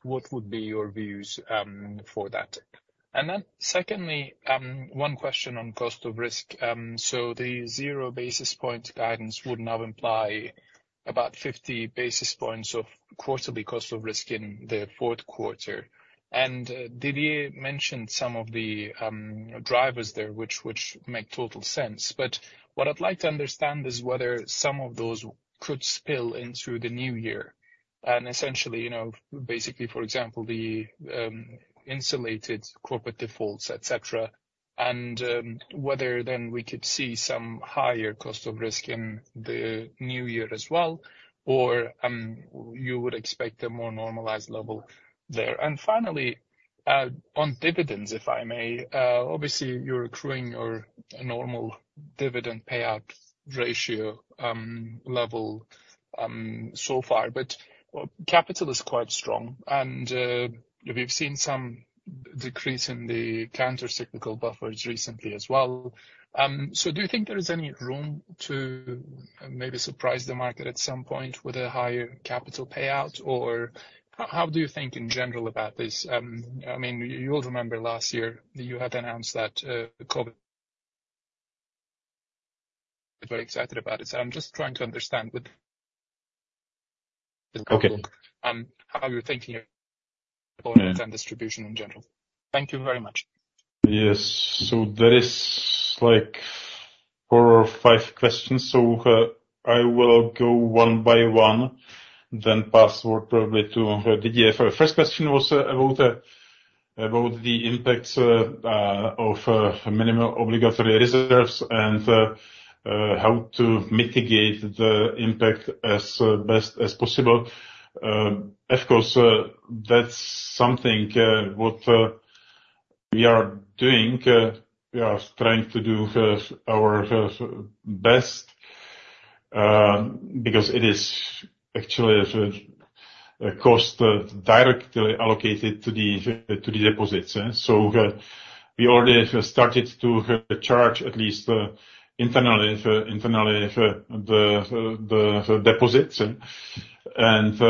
what would be your views for that? And then secondly, one question on cost of risk. So the zero basis points guidance would now imply about 50 basis points of quarterly cost of risk in the fourth quarter. And Didier mentioned some of the drivers there, which make total sense. But what I'd like to understand is whether some of those could spill into the new year and essentially, you know, basically, for example, the isolated corporate defaults, et cetera, and whether then we could see some higher cost of risk in the new year as well, or you would expect a more normalized level there. And finally, on dividends, if I may. Obviously, you're accruing your normal dividend payout ratio level so far, but capital is quite strong, and we've seen some decrease in the countercyclical buffers recently as well. So do you think there is any room to maybe surprise the market at some point with a higher capital payout, or how do you think in general about this? I mean, you'll remember last year, you had announced that, COVID- very excited about it, so I'm just trying to understand what- Okay. How you're thinking about and distribution in general? Thank you very much. Yes. So there is, like, four or five questions, so, I will go one by one, then pass over probably to Didier. First question was about, about the impacts, of, minimum obligatory reserves and, how to mitigate the impact as, best as possible. Of course, that's something, what, we are doing. We are trying to do, our, best, because it is actually a, a cost directly allocated to the, to the deposits, eh? So, we already started to, charge at least, internally, internally, the, the, the deposits. And,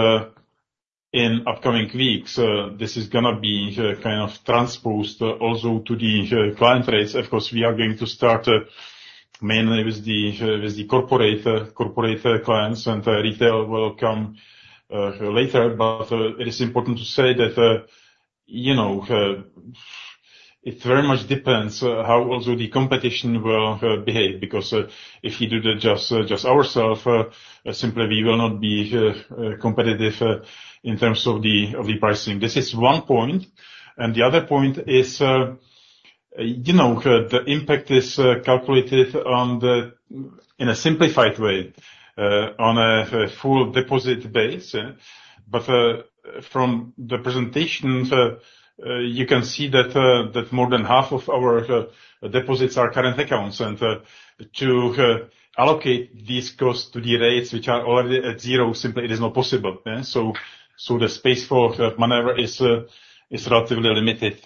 in upcoming weeks, this is gonna be, kind of transposed also to the, client rates. Of course, we are going to start, mainly with the, with the corporate, corporate clients, and retail will come, later. But, it is important to say that, you know, it very much depends, how also the competition will, behave. Because, if you do that just, just ourself, simply we will not be, competitive, in terms of the, of the pricing. This is one point, and the other point is, you know, the impact is, calculated on the- in a simplified way, on a, a full deposit base, eh? But, from the presentation, you can see that, that more than half of our, deposits are current accounts. And, to, allocate these costs to the rates, which are already at zero, simply it is not possible, eh? So, so the space for maneuver is, is relatively limited.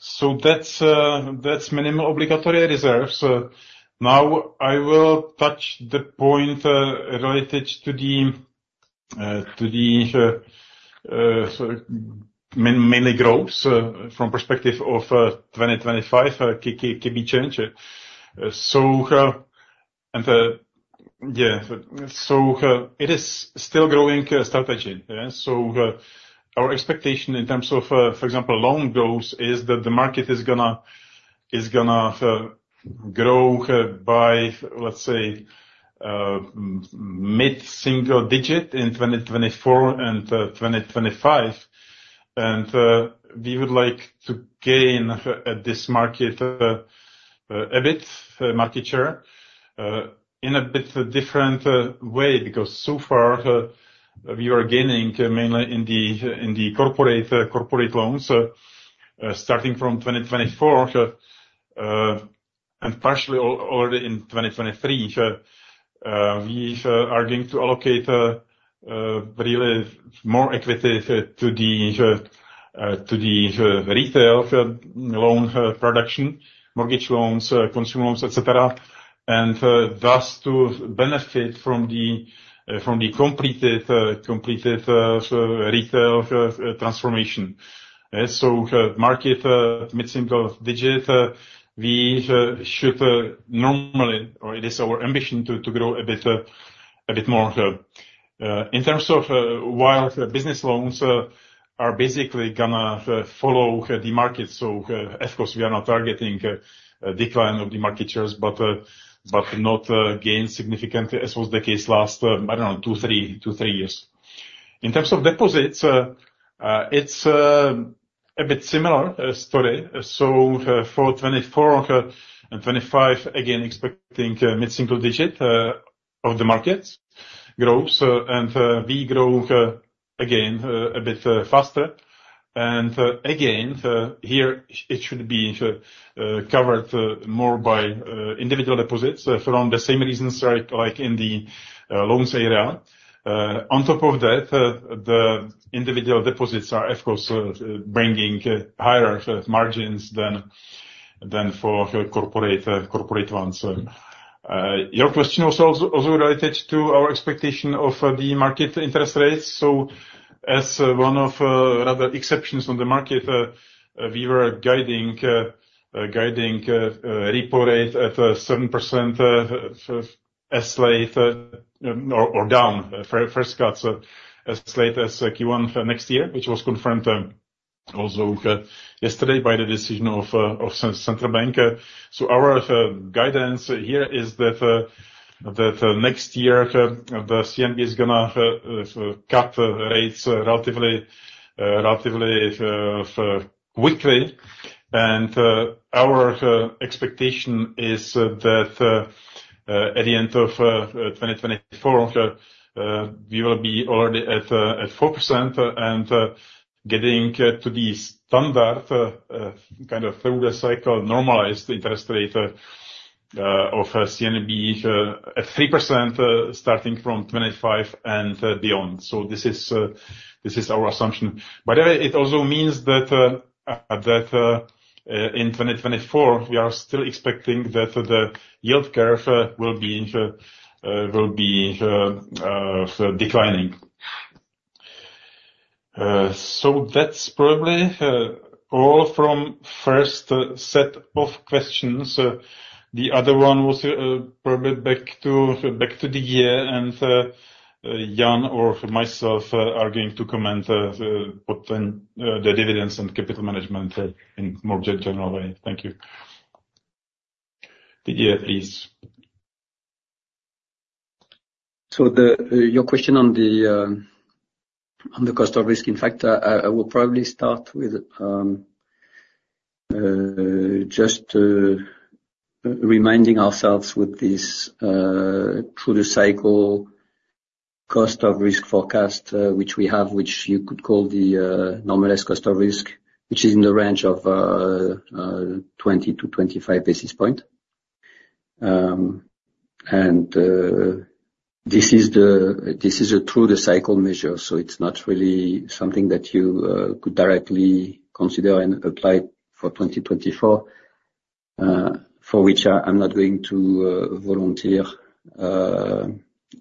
So that's, that's minimal obligatory reserves. Now, I will touch the point related to the so mainly growth from perspective of 2025 can be changed. So, and... Yeah, so, it is still growing strategy, yeah? So, our expectation in terms of, for example, loan growth, is that the market is gonna, is gonna, grow by, let's say, mid-single digit in 2024 and 2025. And, we would like to gain at this market a bit market share in a bit different way, because so far, we are gaining mainly in the, in the corporate, corporate loans, starting from 2024, and partially already in 2023. We are going to allocate really more equity to the retail loan production, mortgage loans, consumer loans, et cetera, and thus, to benefit from the completed retail transformation. So, mid-single digit, we should normally, or it is our ambition to grow a bit more. In terms of while business loans are basically gonna follow the market, so of course, we are not targeting a decline of the market shares, but not gain significantly, as was the case last, I don't know, two, three years. In terms of deposits, it's a bit similar story. So for 2024 and 2025, again, expecting mid-single digit of the market growth. We grow again a bit faster. Again, here it should be covered more by individual deposits around the same reasons, like in the loans area. On top of that, the individual deposits are, of course, bringing higher margins than then for corporate corporate ones. Your question was also related to our expectation of the market interest rates. As one of rather exceptions on the market, we were guiding repo rate at 7%, as late or down for first cuts, as late as Q1 for next year, which was confirmed also yesterday by the decision of Central Bank. So our guidance here is that next year the CNB is gonna cut the rates relatively quickly. And our expectation is that at the end of 2024 we will be already at 4%, and getting to the standard kind of through the cycle, normalized interest rate of CNB at 3%, starting from 2025 and beyond. So this is our assumption. But it also means that in 2024 we are still expecting that the yield curve will be declining. So that's probably all from first set of questions. The other one was probably back to the year, and Jan or myself are going to comment put in the dividends and capital management in more general way. Thank you. Didier, please. So the, your question on the, on the cost of risk. In fact, I, I will probably start with just reminding ourselves with this, through the cycle cost of risk forecast, which we have, which you could call the, normalized cost of risk, which is in the range of 20 to 25 basis point. And this is a through the cycle measure, so it's not really something that you could directly consider and apply for 2024, for which I, I'm not going to volunteer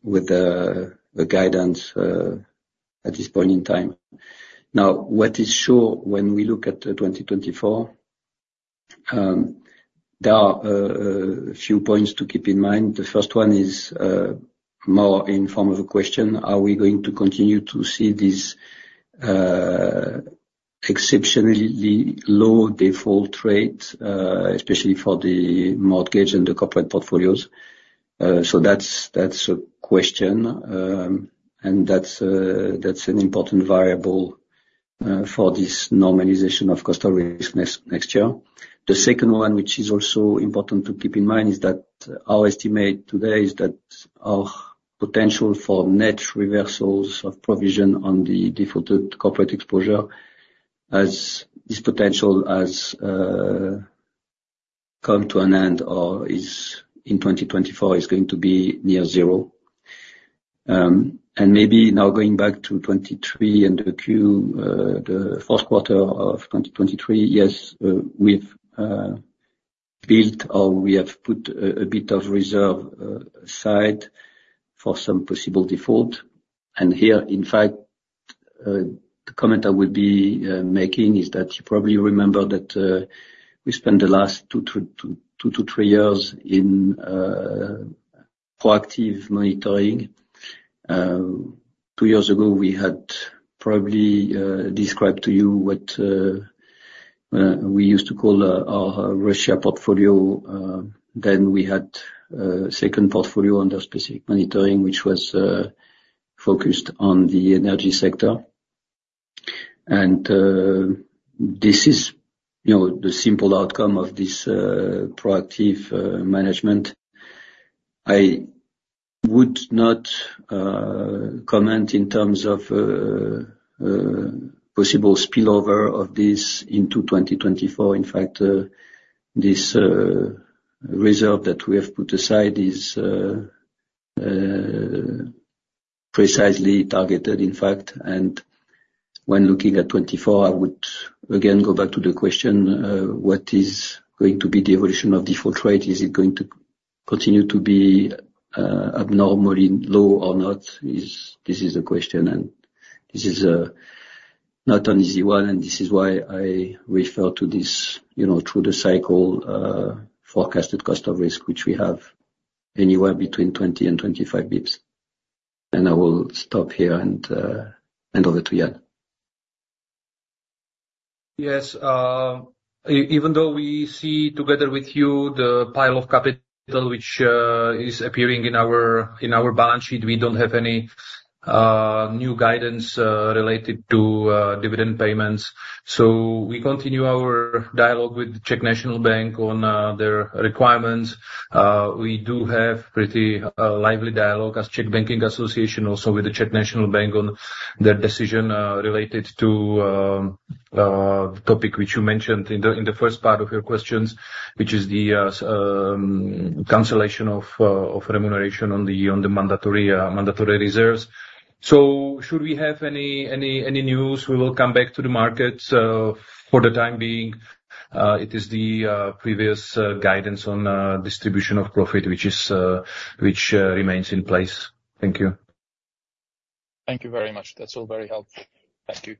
with the guidance at this point in time. Now, what is sure when we look at 2024, there are a few points to keep in mind. The first one is more in form of a question: Are we going to continue to see this exceptionally low default rate, especially for the mortgage and the corporate portfolios? So that's a question, and that's an important variable for this normalization of cost of risk next year. The second one, which is also important to keep in mind, is that our estimate today is that our potential for net reversals of provision on the defaulted corporate exposure as this potential has come to an end or is in 2024, is going to be near zero. And maybe now going back to 2023 and the fourth quarter of 2023, yes, we've built or we have put a bit of reserve aside for some possible default. Here, in fact, the comment I would be making is that you probably remember that we spent the last to to two years in proactive monitoring. Two years ago, we had probably described to you what we used to call our Russia portfolio. Then we had a second portfolio under specific monitoring, which was focused on the energy sector. And this is, you know, the simple outcome of this proactive management. I would not comment in terms of possible spillover of this into 2024. In fact, this reserve that we have put aside is precisely targeted, in fact. And when looking at 2024, I would again go back to the question: What is going to be the evolution of default rate? Is it going to continue to be abnormally low or not? Is... This is the question, and this is not an easy one, and this is why I refer to this, you know, through-the-cycle forecasted cost of risk, which we have anywhere between 20 and 25 basis points. And I will stop here and hand over to Jiří. Yes. Even though we see together with you the pile of capital which is appearing in our balance sheet, we don't have any new guidance related to dividend payments. So we continue our dialogue with the Czech National Bank on their requirements. We do have pretty lively dialogue as Czech Banking Association, also with the Czech National Bank, on their decision related to topic which you mentioned in the first part of your questions, which is the cancellation of remuneration on the mandatory reserves. So should we have any news, we will come back to the market. So for the time being, it is the previous guidance on distribution of profit, which remains in place. Thank you. Thank you very much. That's all very helpful. Thank you.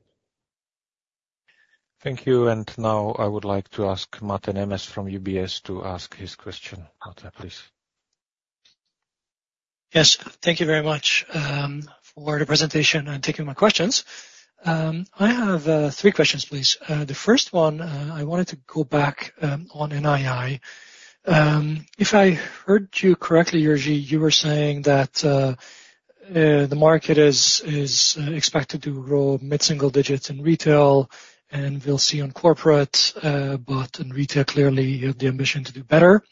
Thank you. And now I would like to ask Máté Nemes from UBS to ask his question. Máté, please. Yes, thank you very much for the presentation and taking my questions. I have three questions, please. The first one, I wanted to go back on NII. If I heard you correctly, Jiří, you were saying that the market is expected to grow mid-single digits in retail, and we'll see on corporate. But in retail, clearly, you have the ambition to do better.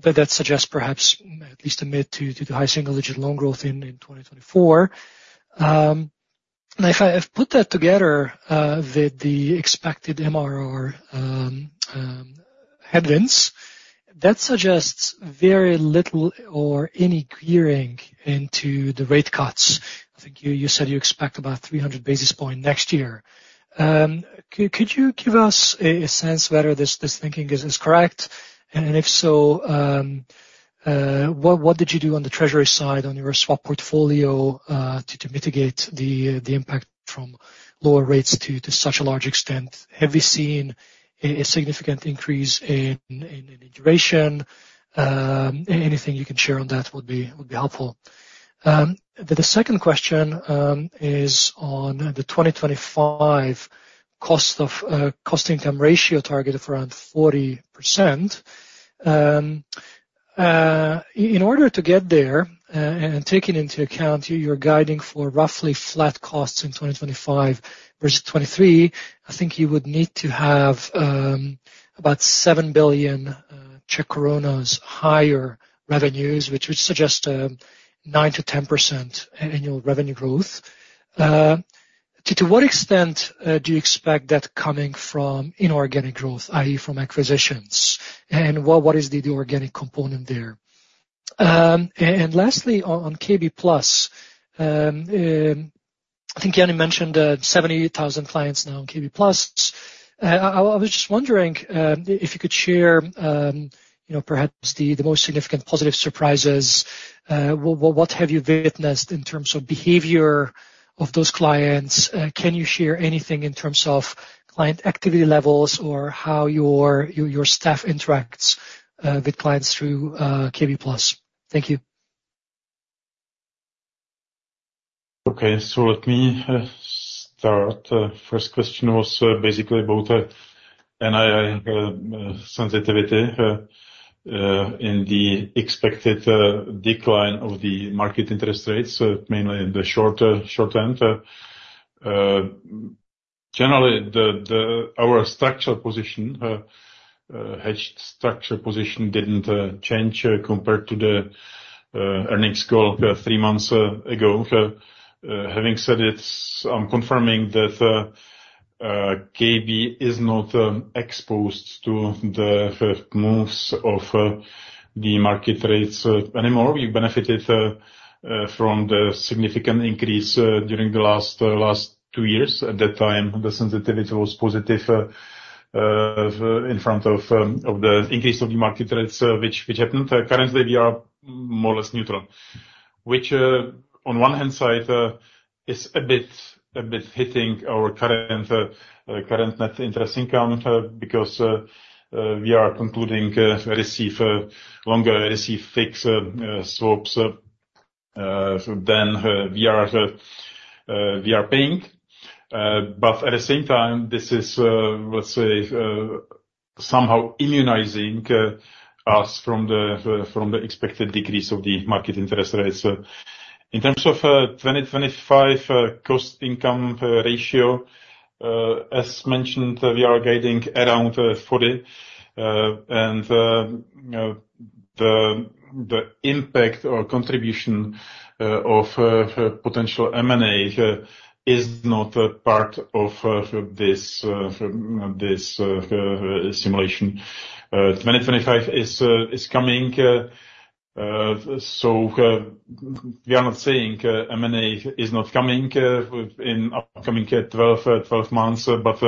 But that suggests perhaps at least a mid- to high single-digit loan growth in 2024. And if I've put that together with the expected MRR headwinds, that suggests very little or any gearing into the rate cuts. I think you said you expect about 300 basis point next year. Could you give us a sense whether this thinking is correct? If so, what did you do on the treasury side, on your swap portfolio, to mitigate the impact from lower rates to such a large extent? Have you seen a significant increase in duration? Anything you can share on that would be helpful. The second question is on the 2025 cost income ratio target of around 40%. In order to get there, and taking into account you're guiding for roughly flat costs in 2025 versus 2023, I think you would need to have about 7 billion higher revenues, which would suggest 9% to 10% annual revenue growth. To what extent do you expect that coming from inorganic growth, i.e., from acquisitions? What is the organic component there? Lastly, on KB+, I think Jan mentioned 78,000 clients now on KB+. I was just wondering if you could share, you know, perhaps the most significant positive surprises. What have you witnessed in terms of behavior of those clients? Can you share anything in terms of client activity levels or how your staff interacts with clients through KB+? Thank you. Okay, so let me start. First question was basically about NII sensitivity in the expected decline of the market interest rates, mainly in the short short end. Generally, Our structural position, hedged structural position didn't change compared to the earnings call three months ago. Having said it, I'm confirming that KB is not exposed to the moves of the market rates anymore. We benefited from the significant increase during the last last two years. At that time, the sensitivity was positive in front of of the increase of the market rates, which which happened. Currently, we are more or less neutral, which, on one hand side, is a bit, a bit hitting our current, current net interest income, because we are concluding receive longer receive fixed swaps than we are, we are paying. But at the same time, this is, let's say, somehow immunizing us from the expected decrease of the market interest rates. In terms of 2025, cost income ratio, as mentioned, we are guiding around 40%, and, you know, the impact or contribution of potential M&A is not a part of this simulation. 2025 is coming, so we are not saying M&A is not coming in upcoming 12 months, but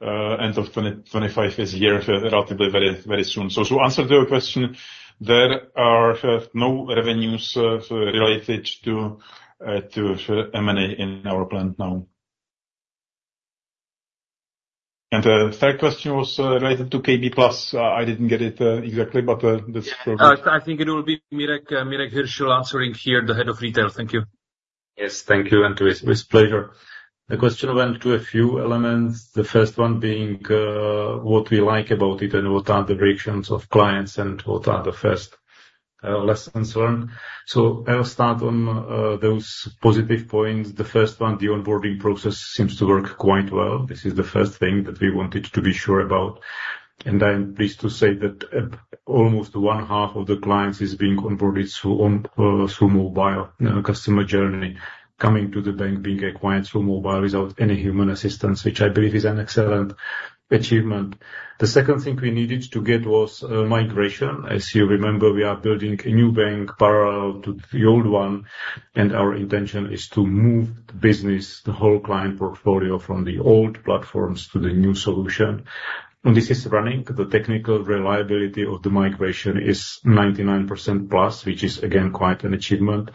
end of 2025 is a year relatively very, very soon. So to answer your question, there are no revenues related to M&A in our plan now. And the third question was related to KB+. I didn't get it exactly, but that's- I think it will be Miroslav, Miroslav Hiršl answering here, the head of retail. Thank you. Yes, thank you, and with pleasure. The question went to a few elements, the first one being what we like about it, and what are the reactions of clients, and what are the first lessons learned. So I'll start on those positive points. The first one, the onboarding process seems to work quite well. This is the first thing that we wanted to be sure about, and I'm pleased to say that almost one half of the clients is being onboarded through online customer journey, coming to the bank, being acquired through mobile without any human assistance, which I believe is an excellent achievement. The second thing we needed to get was migration. As you remember, we are building a new bank parallel to the old one, and our intention is to move the business, the whole client portfolio, from the old platforms to the new solution. And this is running. The technical reliability of the migration is 99% plus, which is, again, quite an achievement.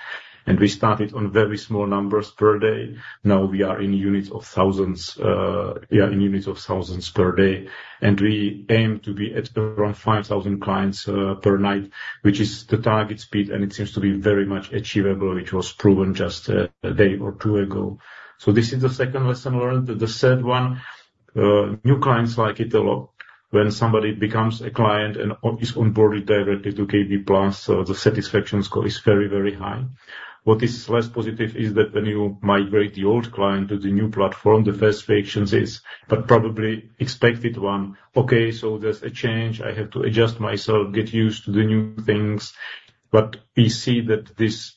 And we started on very small numbers per day. Now we are in units of thousands, yeah, in units of thousands per day, and we aim to be at around 5,000 clients per night, which is the target speed, and it seems to be very much achievable, which was proven just a day or two ago. So this is the second lesson learned. The third one, new clients like it a lot. When somebody becomes a client and on, is onboarded directly to KB+, so the satisfaction score is very, very high. What is less positive is that when you migrate the old client to the new platform, the first reactions is, but probably expected one, "Okay, so there's a change. I have to adjust myself, get used to the new things." But we see that this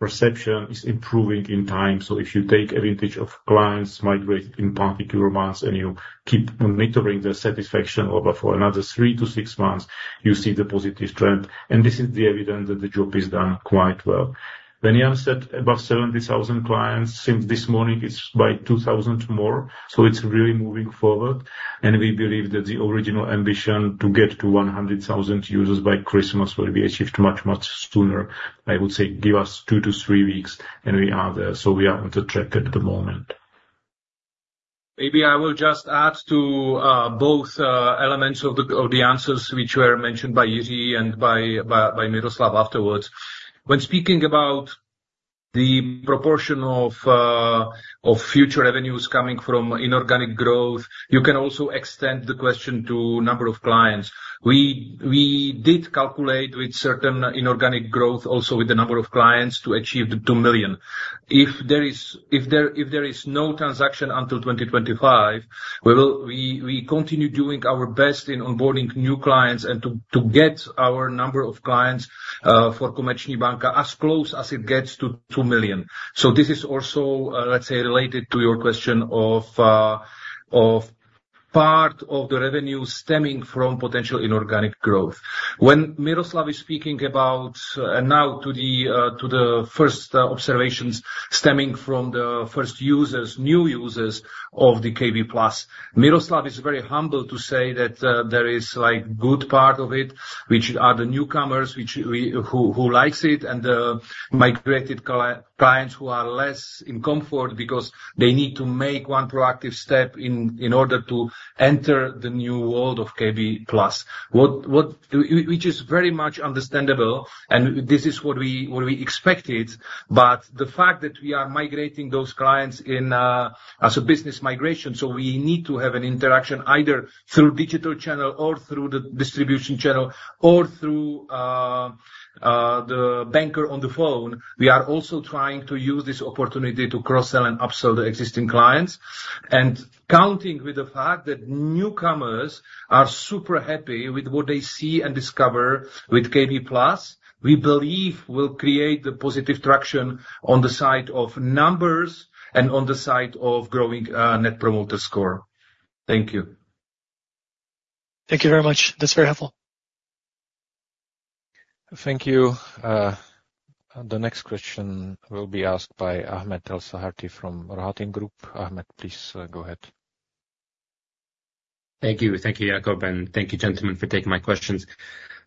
perception is improving in time, so if you take a vintage of clients migrated in particular months, and you keep monitoring their satisfaction over for another 3-6 months, you see the positive trend, and this is the evidence that the job is done quite well. When you have said above 70,000 clients, since this morning, it's by 2,000 more, so it's really moving forward. We believe that the original ambition to get to 100,000 users by Christmas will be achieved much, much sooner. I would say, give us two to three weeks, and we are there, so we are on the track at the moment. Maybe I will just add to both elements of the answers which were mentioned by Jiří and by Miroslav afterwards. When speaking about the proportion of future revenues coming from inorganic growth, you can also extend the question to number of clients. We did calculate with certain inorganic growth, also with the number of clients to achieve the 2 million. If there is no transaction until 2025, we will continue doing our best in onboarding new clients and to get our number of clients for Komerční banka as close as it gets to 2 million. So this is also, let's say, related to your question of part of the revenue stemming from potential inorganic growth. When Miroslav is speaking about, and now to the first observations stemming from the first users, new users of the KB+, Miroslav is very humble to say that there is, like, good part of it, which are the newcomers, who likes it, and the migrated clients who are less in comfort because they need to make one proactive step in order to enter the new world of KB+. Which is very much understandable, and this is what we expected. But the fact that we are migrating those clients in as a business migration, so we need to have an interaction either through digital channel or through the distribution channel or through the banker on the phone. We are also trying to use this opportunity to cross-sell and upsell the existing clients. Counting with the fact that newcomers are super happy with what they see and discover with KB+, we believe will create a positive traction on the side of numbers and on the side of growing Net Promoter Score. Thank you. Thank you very much. That's very helpful. Thank you. The next question will be asked by Ahmed El-Saharty from Rohatyn Group. Ahmed, please, go ahead. Thank you. Thank you, Jakub, and thank you, gentlemen, for taking my questions.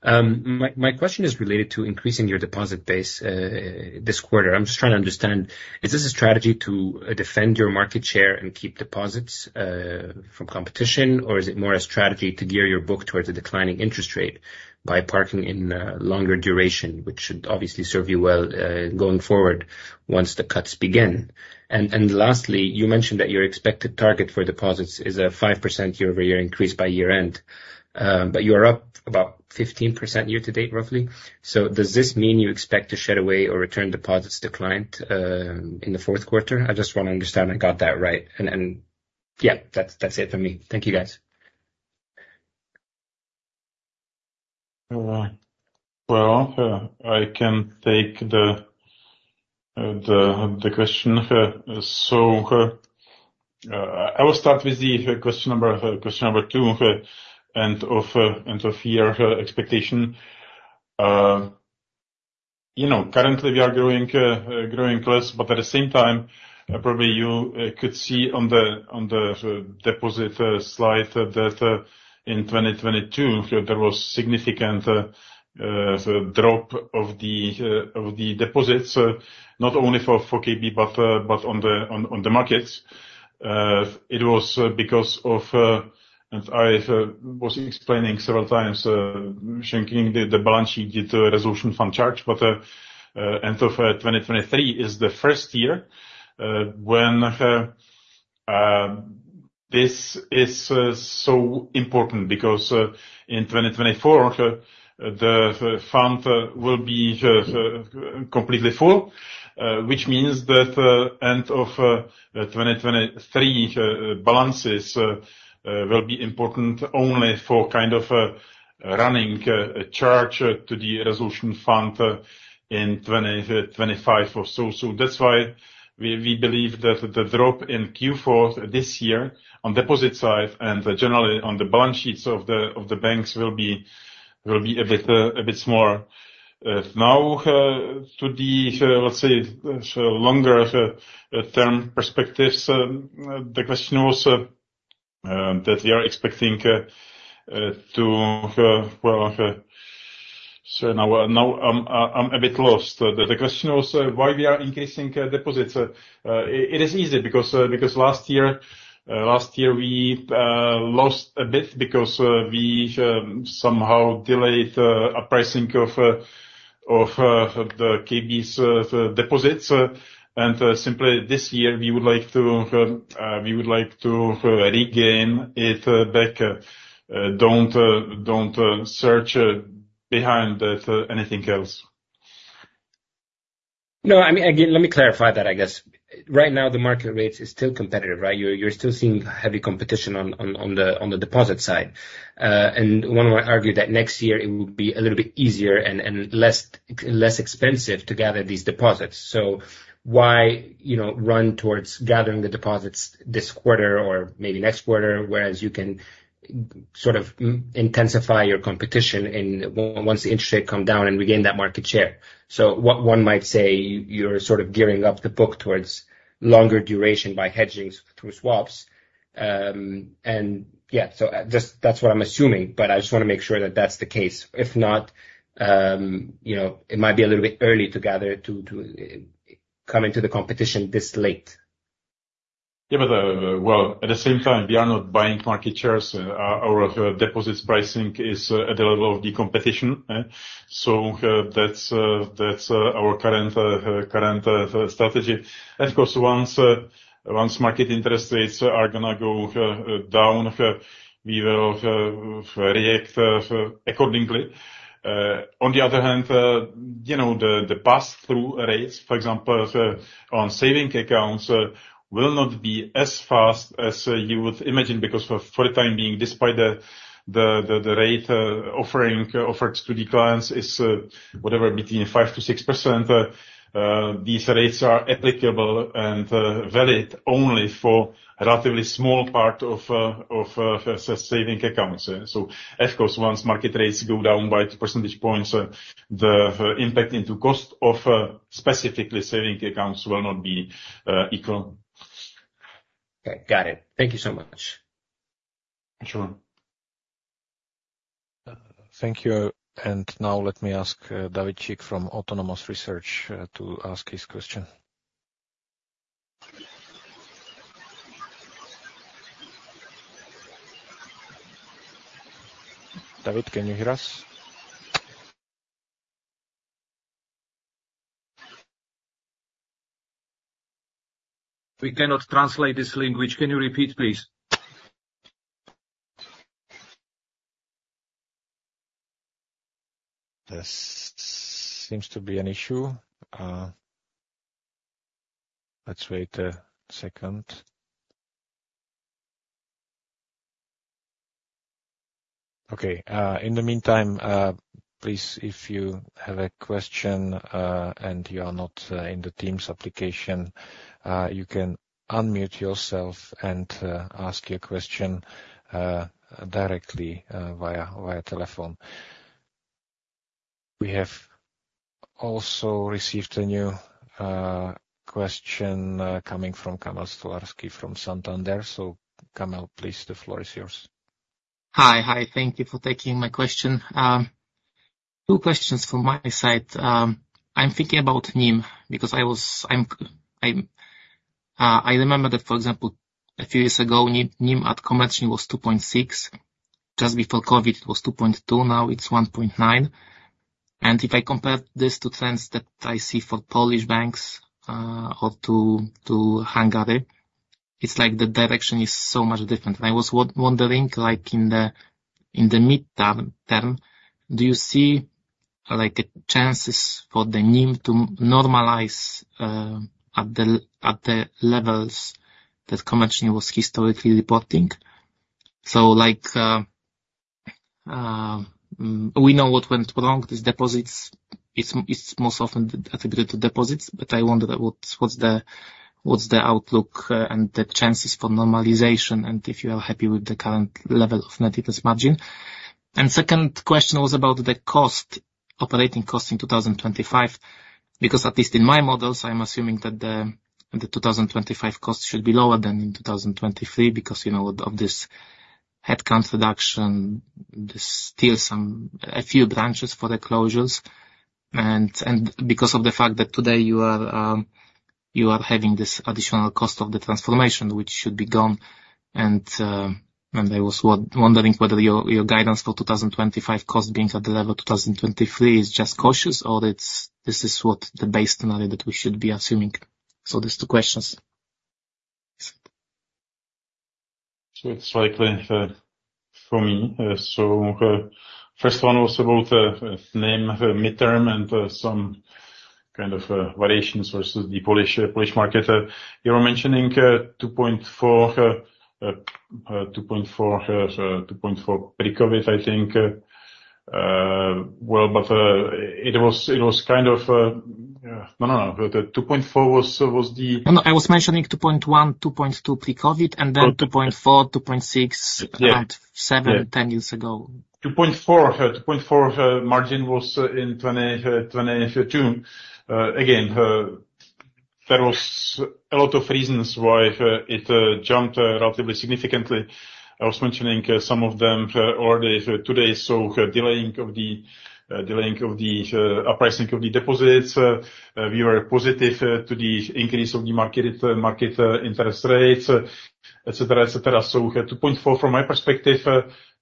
My question is related to increasing your deposit base this quarter. I'm just trying to understand, is this a strategy to defend your market share and keep deposits from competition? Or is it more a strategy to gear your book towards a declining interest rate by parking in longer duration, which should obviously serve you well going forward once the cuts begin? And lastly, you mentioned that your expected target for deposits is a 5% year-over-year increase by year-end, but you are up about 15% year-to-date, roughly. So does this mean you expect to shed away or return deposits to client in the fourth quarter? I just want to understand I got that right, and yeah, that's it for me. Thank you, guys. Well, I can take the question. So, I will start with the question number two, and of your expectation. You know, currently, we are growing plus, but at the same time, probably you could see on the deposit slide that, in 2022, there was significant drop of the deposits, not only for KB, but on the markets. It was because of... And I was explaining several times, shrinking the balance sheet due to Resolution Fund charge, but end of 2023 is the first year, when this is so important. Because in 2024 the fund will be completely full, which means that end of 2023 balances will be important only for kind of running a charge to the Resolution Fund in 2025 or so. So that's why we believe that the drop in Q4 this year on deposit side, and generally on the balance sheets of the banks will be a bit more. Now to the, let's say, longer term perspectives, the question was that we are expecting to, well, so now I'm a bit lost. The question was why we are increasing deposits. It is easy because last year we lost a bit because we somehow delayed a pricing of the KB's deposits. Simply this year, we would like to regain it back. Don't search behind anything else. No, I mean, again, let me clarify that, I guess. Right now, the market rates is still competitive, right? You're still seeing heavy competition on the deposit side. And one might argue that next year it will be a little bit easier and less expensive to gather these deposits. So why, you know, run towards gathering the deposits this quarter or maybe next quarter, whereas you can sort of intensify your competition and once the interest rate come down and regain that market share? So one might say you're sort of gearing up the book towards longer duration by hedging through swaps. And yeah, so that's what I'm assuming, but I just wanna make sure that that's the case. If not, you know, it might be a little bit early to come into the competition this late. Yeah, but, well, at the same time, we are not buying market shares. Our deposits pricing is at the level of the competition, so, that's, that's, our current, current, strategy. And of course, once, once market interest rates are gonna go, down, we will, react, accordingly. On the other hand, you know, the, the pass-through rates, for example, on saving accounts, will not be as fast as, you would imagine, because for, for the time being, despite the, the, the, the rate, offering, offered to the clients is, whatever, between 5%-6%. These rates are applicable and, valid only for a relatively small part of, of, saving accounts. Of course, once market rates go down by 2 percentage points, the impact into cost of specifically savings accounts will not be equal. Okay, got it. Thank you so much. Sean? Thank you. Now let me ask David Chic from Autonomous Research to ask his question. David, can you hear us? We cannot translate this language. Can you repeat, please? There seems to be an issue. Let's wait a second. Okay, in the meantime, please, if you have a question and you are not in the Teams application, you can unmute yourself and ask your question directly via, via telephone. We have also received a new question coming from Kamil Stolarski from Santander. So, Kamil, please, the floor is yours. Hi. Hi, thank you for taking my question. Two questions from my side. I'm thinking about NIM, because I remember that, for example, a few years ago, NIM at Komerční was 2.6. Just before COVID, it was 2.2, now it's 1.9. And if I compare this to trends that I see for Polish banks, or to Hungary, it's like the direction is so much different. And I was wondering, like, in the medium term, do you see, like, a chances for the NIM to normalize, at the levels that Komerční was historically reporting? So like, we know what went wrong. These deposits, it's most often attributed to deposits, but I wonder what's the outlook and the chances for normalization, and if you are happy with the current level of net interest margin. Second question was about the cost, operating cost in 2025, because at least in my models, I'm assuming that the 2025 costs should be lower than in 2023, because, you know, of this headcount reduction, there's still some a few branches for the closures. And because of the fact that today you are having this additional cost of the transformation, which should be gone. I was wondering whether your guidance for 2025 costs being at the level of 2023 is just cautious, or it's this is what the base scenario that we should be assuming. So these two questions. So it's likely for me. So first one was about NIM midterm and some kind of variations versus the Polish market. You were mentioning 2.4 pre-COVID, I think... Well, but it was kind of, no, but the 2.4 was the- No, no, I was mentioning 2.1 to 2.2 pre-COVID, and then 2.4 to 2.6- Yeah. seven, 10 years ago. 2.4% margin was in 2022. Again, there was a lot of reasons why it jumped relatively significantly. I was mentioning some of them already today, so delaying of the pricing of the deposits. We were positive to the increase of the market interest rates, et cetera, et cetera. So we had 2.4%, from my perspective,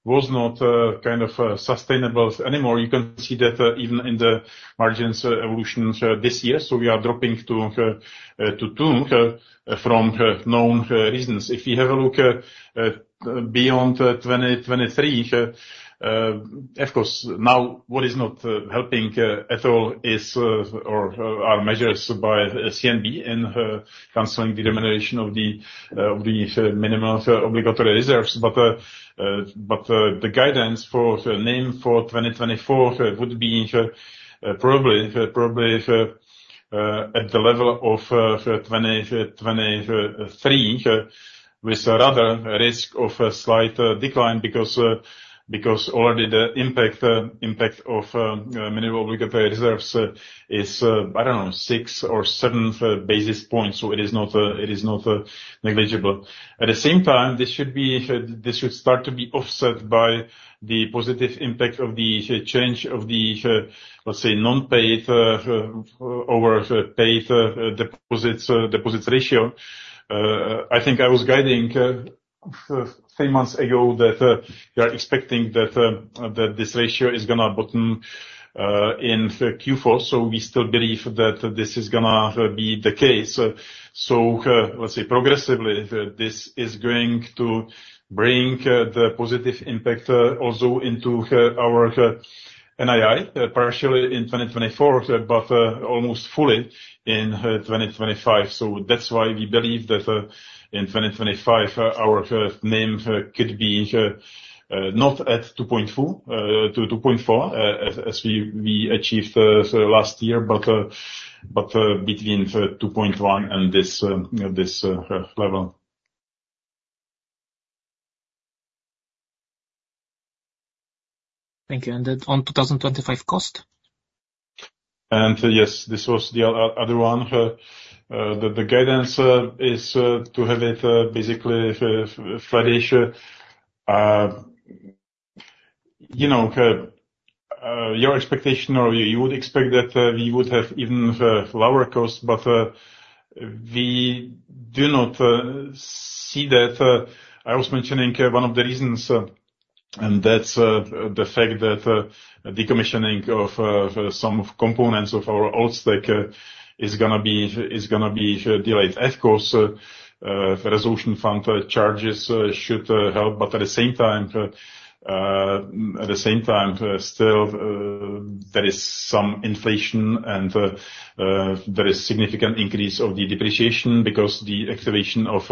was not kind of sustainable anymore. You can see that even in the margins evolution this year, so we are dropping to 2% from known reasons. If you have a look beyond 2023, of course, now what is not helping at all is or are measures by CNB in canceling the elimination of the minimum obligatory reserves. But the guidance for the NIM for 2024 would be probably at the level of 2023 with a rather risk of a slight decline. Because already the impact of minimum obligatory reserves is, I don't know, 6 or 7 basis points, so it is not negligible. At the same time, this should start to be offset by the positive impact of the change of the, let's say, non-paid over paid deposits ratio. I think I was guiding three months ago that we are expecting that this ratio is gonna bottom in Q4, so we still believe that this is gonna be the case. So, let's say progressively, this is going to bring the positive impact also into our NII, partially in 2024, but almost fully in 2025. So that's why we believe that in 2025 our NIM could be not at 2.2 to 2.4 as we achieved last year, but between 2.1 and this level. Thank you. And on 2025 cost? And yes, this was the other one. The guidance is to have it basically flat-ish. You know, your expectation or you would expect that we would have even lower costs, but we do not see that. I was mentioning one of the reasons, and that's the fact that decommissioning of some components of our old stack is gonna be delayed. Of course, the Resolution Fund charges should help, but at the same time, still, there is some inflation, and there is significant increase of the depreciation because the acceleration of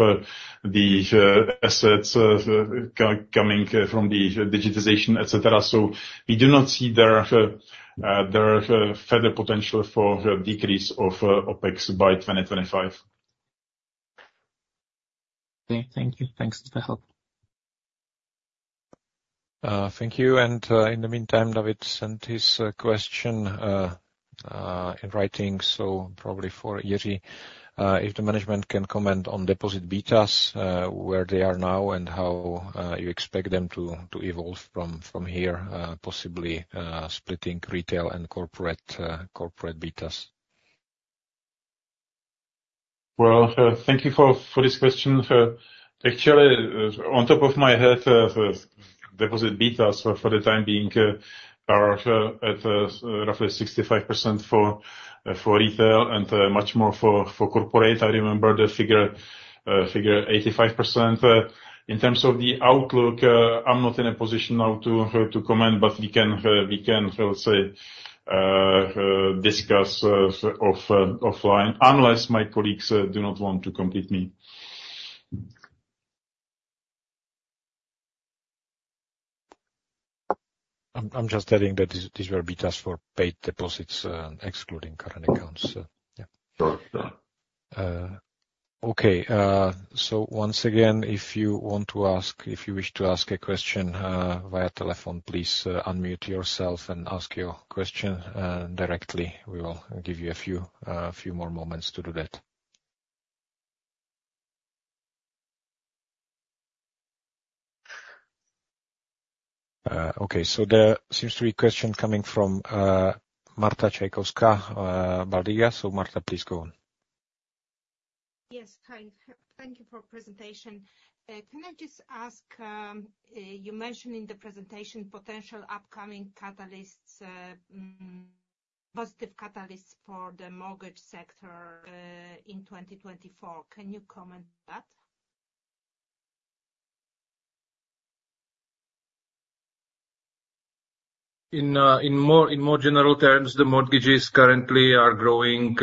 the assets coming from the digitization, et cetera. So we do not see there further potential for a decrease of OpEx by 2025. Okay. Thank you. Thanks for the help. Thank you. In the meantime, David sent his question in writing, so probably for Jiří. If the management can comment on deposit betas, where they are now, and how you expect them to evolve from here, possibly splitting retail and corporate betas. Well, thank you for this question. Actually, on top of my head, deposit betas for the time being are at roughly 65% for retail and much more for corporate. I remember the figure 85%. In terms of the outlook, I'm not in a position now to comment, but we can discuss offline, unless my colleagues do not want to compete me. I'm just adding that these were betas for paid deposits, yeah. Sure. Yeah. Okay. So once again, if you wish to ask a question via telephone, please unmute yourself and ask your question directly. We will give you a few more moments to do that. Okay, so there seems to be a question coming from Marta Czajkowska-Bałdyga. So, Marta, please go on. Yes. Hi, thank you for presentation. Can I just ask, you mentioned in the presentation potential upcoming catalysts, positive catalysts for the mortgage sector, in 2024. Can you comment on that? In more general terms, the mortgages currently are growing,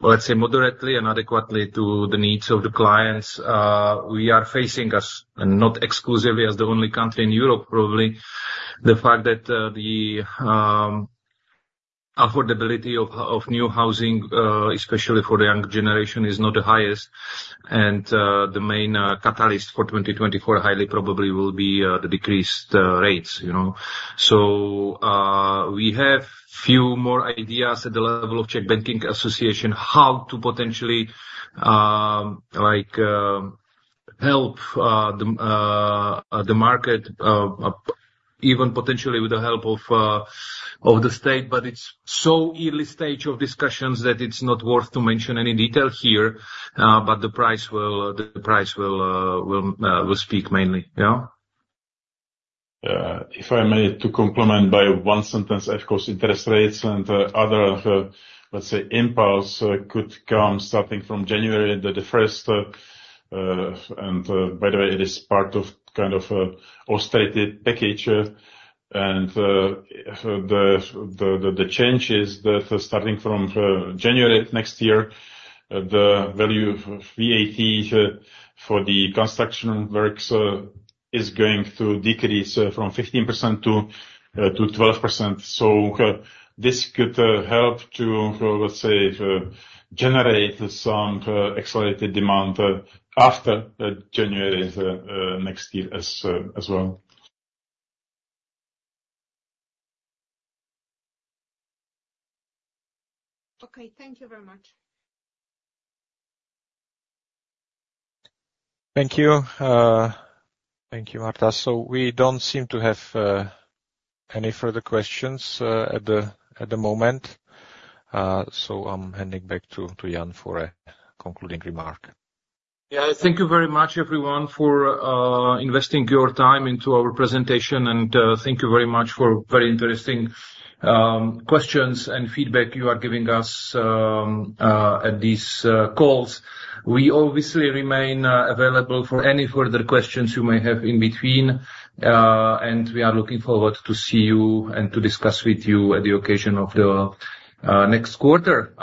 let's say, moderately and adequately to the needs of the clients. We are facing, and not exclusively as the only country in Europe, probably, the fact that, the affordability of new housing, especially for the young generation, is not the highest. And the main catalyst for 2024, highly probably will be the decreased rates, you know? So we have few more ideas at the level of Czech Banking Association, how to potentially like help the market up, even potentially with the help of the state. But it's so early stage of discussions, that it's not worth to mention any detail here. But the price will speak mainly, yeah. If I may, to complement by one sentence, of course, interest rates and other, let's say, impulse could come, starting from January the 1st. By the way, it is part of, kind of, austerity package. The changes that are starting from January next year, the value of VAT for the construction works, is going to decrease from 15% to 12%. So this could help to, let's say, generate some accelerated demand after January next year as well. Okay, thank you very much. Thank you. Thank you, Marta. So we don't seem to have any further questions at the moment. So I'm handing back to Jan for a concluding remark. Yeah. Thank you very much, everyone, for investing your time into our presentation. Thank you very much for very interesting questions and feedback you are giving us at these calls. We obviously remain available for any further questions you may have in between. We are looking forward to see you and to discuss with you at the occasion of the next quarter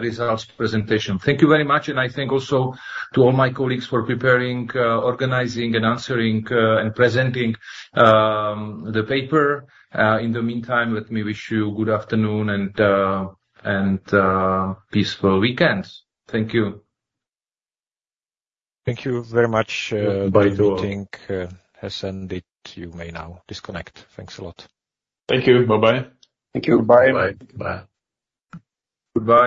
results presentation. Thank you very much, and I thank also to all my colleagues for preparing, organizing and answering, and presenting the paper. In the meantime, let me wish you a good afternoon and peaceful weekends. Thank you. Thank you very much. Bye to all. The meeting has ended. You may now disconnect. Thanks a lot. Thank you. Bye-bye. Thank you. Bye. Goodbye.